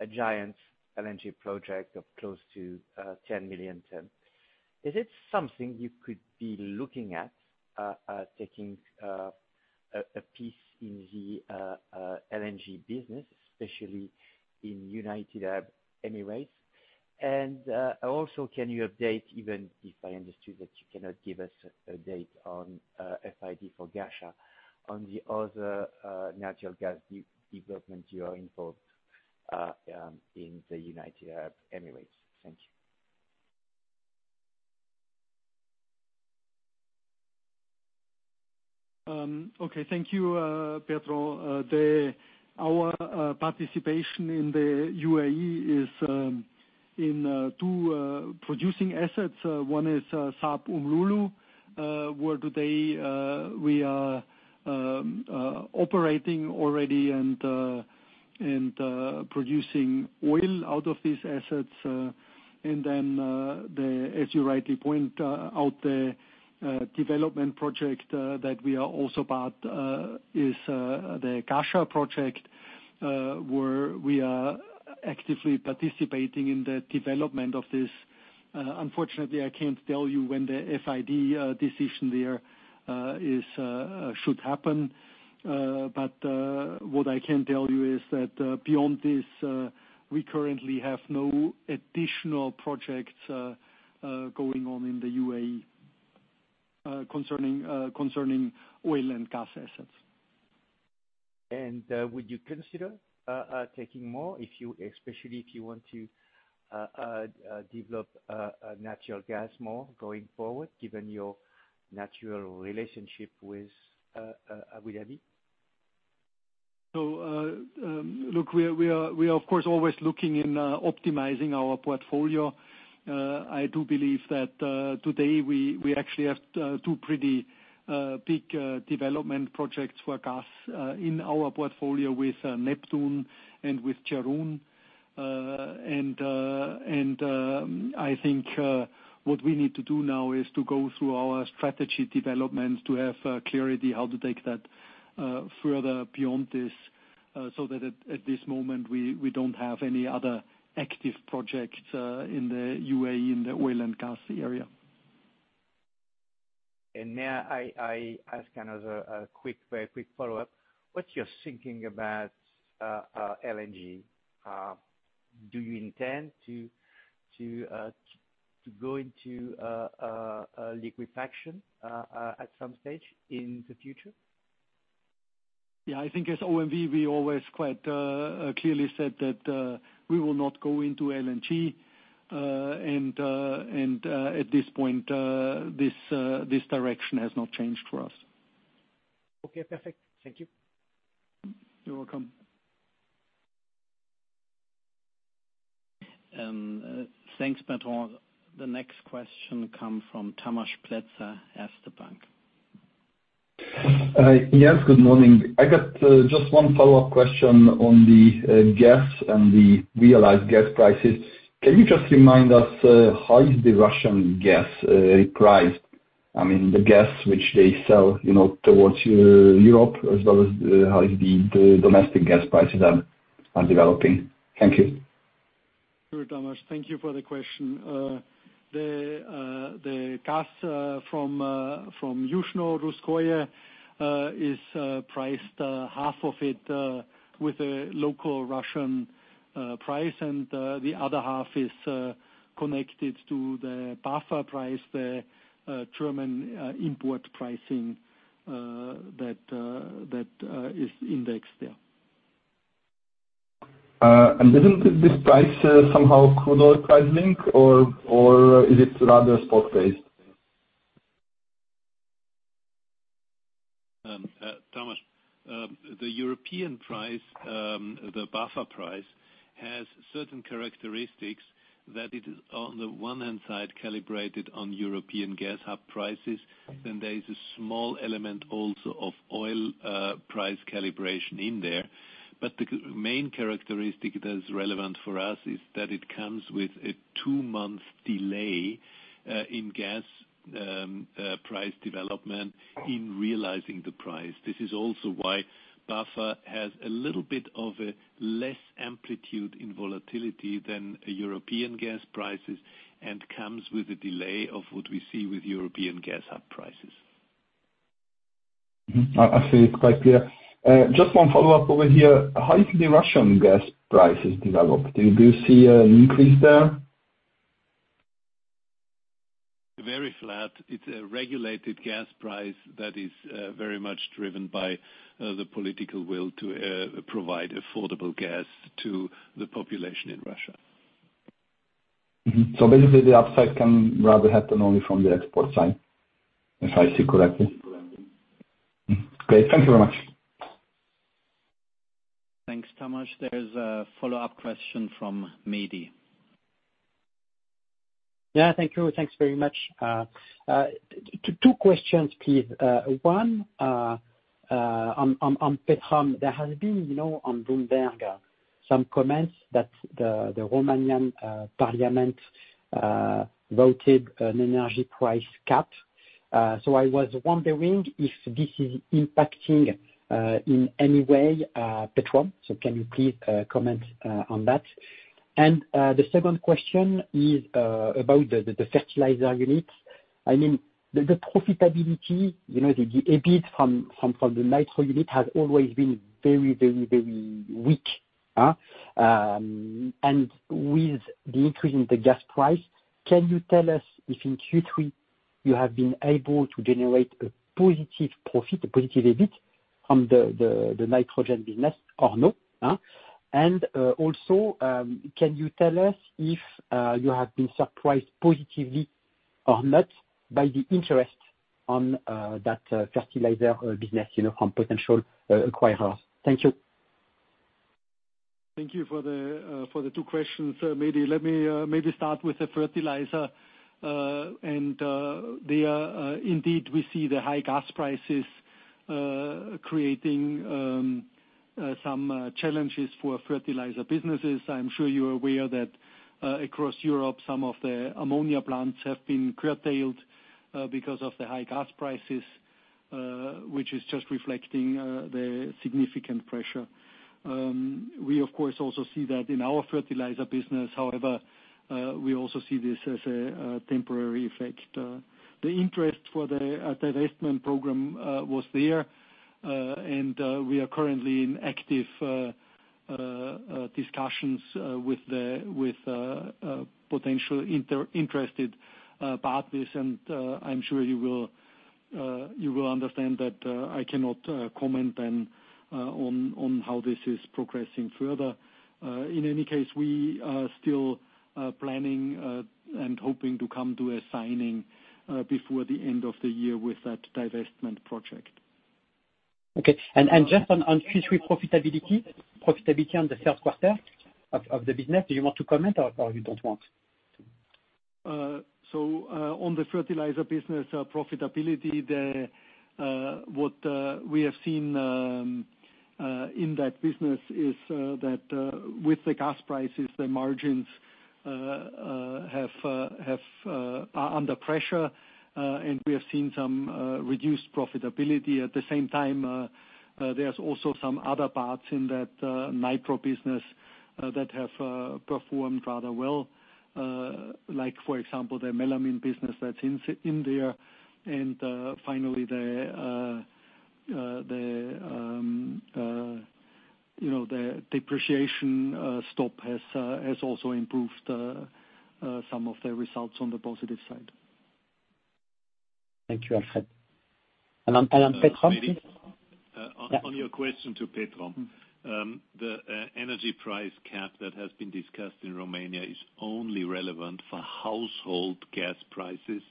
Speaker 13: a giant LNG project of close to 10 million tons. Is it something you could be looking at taking a piece in the LNG business, especially in United Arab Emirates? Also can you update, even if I understood that you cannot give us a date on FID for Ghasha on the other natural gas development you are involved in the United Arab Emirates? Thank you.
Speaker 3: Okay, thank you, Bertrand. Our participation in the UAE is in two producing assets. One is SARB Umm Lulu, where today we are operating already and producing oil out of these assets. As you rightly point out, the development project that we are also part of is the Ghasha project, where we are actively participating in the development of this. Unfortunately, I can't tell you when the FID decision there should happen. What I can tell you is that beyond this, we currently have no additional projects going on in the UAE concerning oil and gas assets.
Speaker 13: Would you consider taking more if you, especially if you want to develop a natural gas more going forward given your natural relationship with Abu Dhabi?
Speaker 3: Look, we are of course always looking into optimizing our portfolio. I do believe that today we actually have two pretty big development projects for gas in our portfolio with Neptune and with Charon. I think what we need to do now is to go through our strategy development to have clarity how to take that further beyond this so that at this moment we don't have any other active projects in the UAE in the oil and gas area.
Speaker 13: May I ask another quick, very quick follow-up. What's your thinking about LNG? Do you intend to go into liquefaction at some stage in the future?
Speaker 3: Yeah, I think as OMV, we always quite clearly said that we will not go into LNG. At this point, this direction has not changed for us.
Speaker 13: Okay, perfect. Thank you.
Speaker 3: You're welcome.
Speaker 2: Thanks, Bertrand Hodée. The next question come from Tamas Pletser, Erste Bank.
Speaker 14: Yes, good morning. I got just one follow-up question on the gas and the realized gas prices. Can you just remind us how is the Russian gas priced? I mean, the gas which they sell, you know, towards Europe, as well as how is the domestic gas prices are developing? Thank you.
Speaker 3: Sure, Tamas. Thank you for the question. The gas from Yuzhno Russkoye is priced, half of it with the local Russian price. The other half is connected to the BAFA price, the German import pricing that is indexed there.
Speaker 14: Isn't this price somehow crude oil price linked or is it rather spot based?
Speaker 5: Tamas, the European price, the BAFA price has certain characteristics that it is on the one hand side calibrated on European gas hub prices. There is a small element also of oil price calibration in there. The main characteristic that is relevant for us is that it comes with a two-month delay in gas price development in realizing the price. This is also why BAFA has a little bit of a less amplitude in volatility than European gas prices, and comes with a delay of what we see with European gas hub prices.
Speaker 14: I see it quite clear. Just one follow-up over here. How is the Russian gas prices developed? Do you see an increase there?
Speaker 5: Very flat. It's a regulated gas price that is very much driven by the political will to provide affordable gas to the population in Russia.
Speaker 14: Basically the upside can rather happen only from the export side, if I see correctly.
Speaker 5: Correctly.
Speaker 14: Great. Thank you very much.
Speaker 2: Thanks, Tamas. There's a follow-up question from Mehdi.
Speaker 4: Thank you. Thanks very much. Two questions please. One, on Petrom. There has been, you know, on Bloomberg, some comments that the Romanian parliament voted an energy price cap. I was wondering if this is impacting in any way Petrom. Can you please comment on that? The second question is about the fertilizer units. I mean, the profitability, you know, the EBIT from the nitro unit has always been very weak? With the increase in the gas price, can you tell us if in Q3 you have been able to generate a positive profit, a positive EBIT from the nitrogen business or no? Also, can you tell us if you have been surprised positively or not by the interest on that fertilizer business, you know, from potential acquirers? Thank you.
Speaker 3: Thank you for the two questions, Mehdi. Let me maybe start with the fertilizer. They are indeed. We see the high gas prices creating some challenges for fertilizer businesses. I'm sure you're aware that across Europe, some of the ammonia plants have been curtailed because of the high gas prices. Which is just reflecting the significant pressure. We of course also see that in our fertilizer business, however, we also see this as a temporary effect. The interest for a divestment program was there. We are currently in active discussions with the potential interested parties. I'm sure you will understand that I cannot comment then on how this is progressing further. In any case, we are still planning and hoping to come to a signing before the end of the year with that divestment project.
Speaker 4: Okay. Just on Q3 profitability on the third quarter of the business, do you want to comment or you don't want?
Speaker 3: On the fertilizer business profitability, what we have seen in that business is that with the gas prices, the margins are under pressure. We have seen some reduced profitability. At the same time, there's also some other parts in that nitro business that have performed rather well. Like for example, the melamine business that's in there. Finally, you know, the depreciation stop has also improved some of the results on the positive side.
Speaker 4: Thank you, Alfred. Petrom?
Speaker 5: On your question to Petrom.
Speaker 4: Mm-hmm.
Speaker 5: The energy price cap that has been discussed in Romania is only relevant for household gas prices.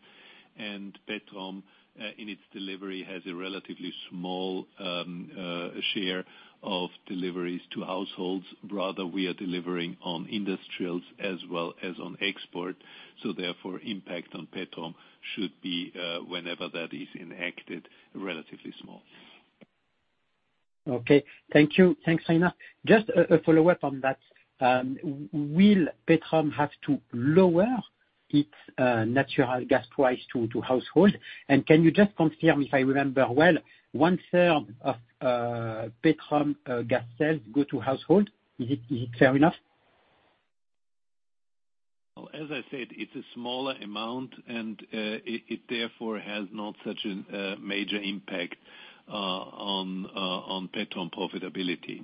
Speaker 5: Petrom, in its delivery, has a relatively small share of deliveries to households. Rather, we are delivering on industrials as well as on export, so therefore impact on Petrom should be, whenever that is enacted, relatively small.
Speaker 4: Okay. Thank you. Thanks, Reinhard. Just a follow-up on that. Will Petrom have to lower its natural gas price to households? Can you just confirm if I remember well, one-third of Petrom gas sales go to household. Is it fair enough?
Speaker 5: Well, as I said, it's a smaller amount, and it therefore has not such a major impact on Petrom profitability.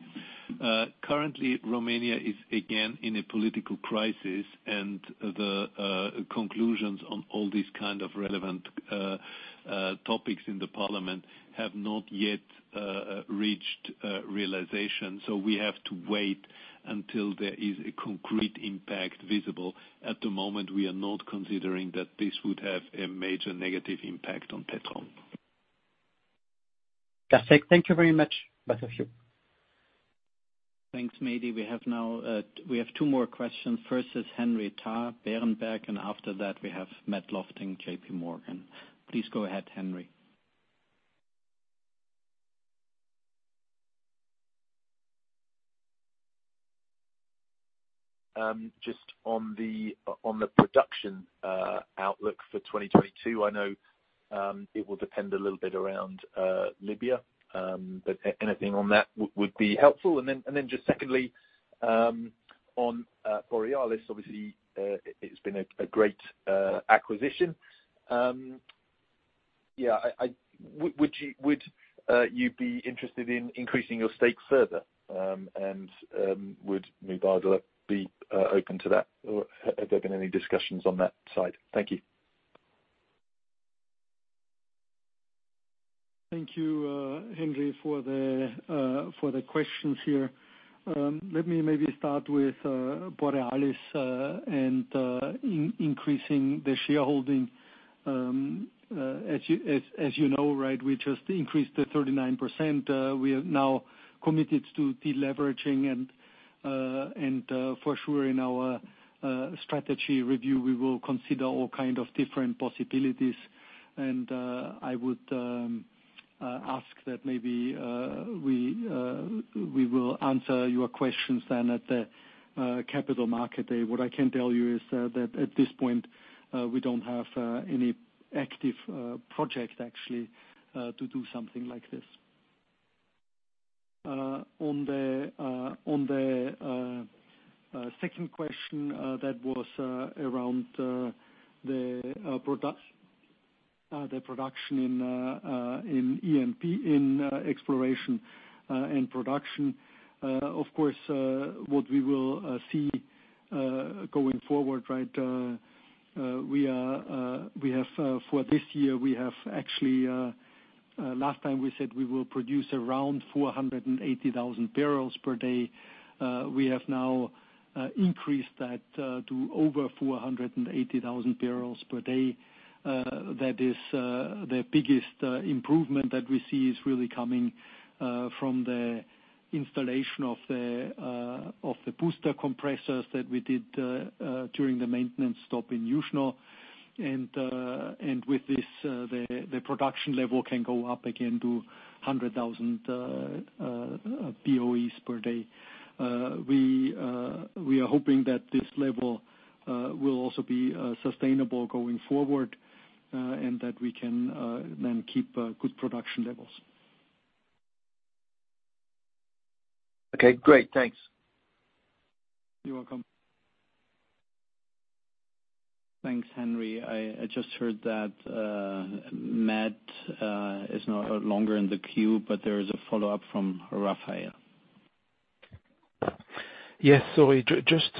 Speaker 5: Currently Romania is again in a political crisis, and the conclusions on all these kind of relevant topics in the parliament have not yet reached realization. We have to wait until there is a concrete impact visible. At the moment we are not considering that this would have a major negative impact on Petrom.
Speaker 4: That's it. Thank you very much, both of you.
Speaker 2: Thanks, Mehdi. We have now two more questions. First is Henry Tarr, Berenberg, and after that we have Matt Lofting, JPMorgan. Please go ahead, Henry.
Speaker 15: Just on the production outlook for 2022, I know it will depend a little bit around Libya. Anything on that would be helpful. Just secondly, on Borealis, obviously, it's been a great acquisition. Would you be interested in increasing your stake further? Would Mubadala be open to that, or have there been any discussions on that side? Thank you.
Speaker 3: Thank you, Henry, for the questions here. Let me maybe start with Borealis and increasing the shareholding. As you know, right, we just increased to 39%. We are now committed to deleveraging and for sure in our strategy review, we will consider all kind of different possibilities. I would ask that maybe we will answer your questions then at the capital market day. What I can tell you is that at this point we don't have any active project actually to do something like this. On the second question, that was around the production in E&P. In exploration and production. Of course, what we will see going forward, right, we have for this year, we have actually, last time we said we will produce around 480,000 barrels per day. We have now increased that to over 480,000 barrels per day. That is the biggest improvement that we see is really coming from the installation of the booster compressors that we did during the maintenance stop in Yuzhno. With this, the production level can go up again to 100,000 BOEs per day. We are hoping that this level will also be sustainable going forward, and that we can then keep good production levels.
Speaker 15: Okay, great. Thanks.
Speaker 5: You're welcome.
Speaker 2: Thanks, Henry. I just heard that Matt is no longer in the queue, but there is a follow-up from Raphaël.
Speaker 12: Yes. Sorry. Just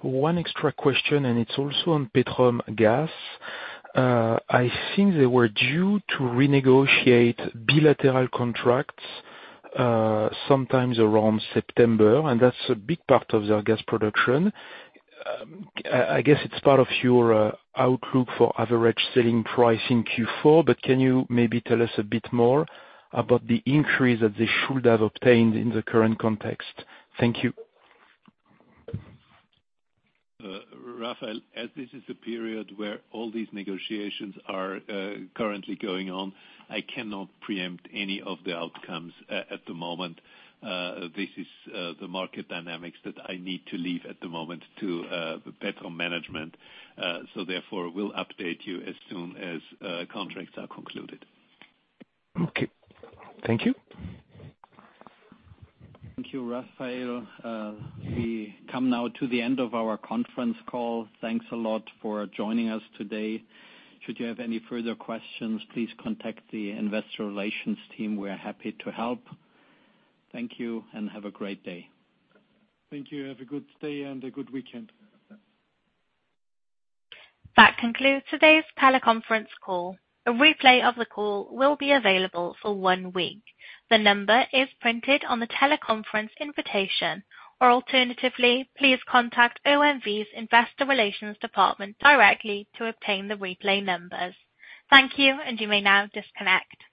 Speaker 12: one extra question, and it's also on Petrom gas. I think they were due to renegotiate bilateral contracts sometimes around September, and that's a big part of their gas production. I guess it's part of your outlook for average selling price in Q4, but can you maybe tell us a bit more about the increase that they should have obtained in the current context? Thank you.
Speaker 5: Raphaël, as this is a period where all these negotiations are currently going on, I cannot preempt any of the outcomes at the moment. This is the market dynamics that I need to leave at the moment to the Petrom management. Therefore, we'll update you as soon as contracts are concluded.
Speaker 12: Okay. Thank you.
Speaker 2: Thank you, Raphaël. We come now to the end of our conference call. Thanks a lot for joining us today. Should you have any further questions, please contact the investor relations team. We're happy to help. Thank you, and have a great day.
Speaker 5: Thank you. Have a good day and a good weekend.
Speaker 1: That concludes today's teleconference call. A replay of the call will be available for one week. The number is printed on the teleconference invitation, or alternatively, please contact OMV's Investor Relations Department directly to obtain the replay numbers. Thank you, and you may now disconnect.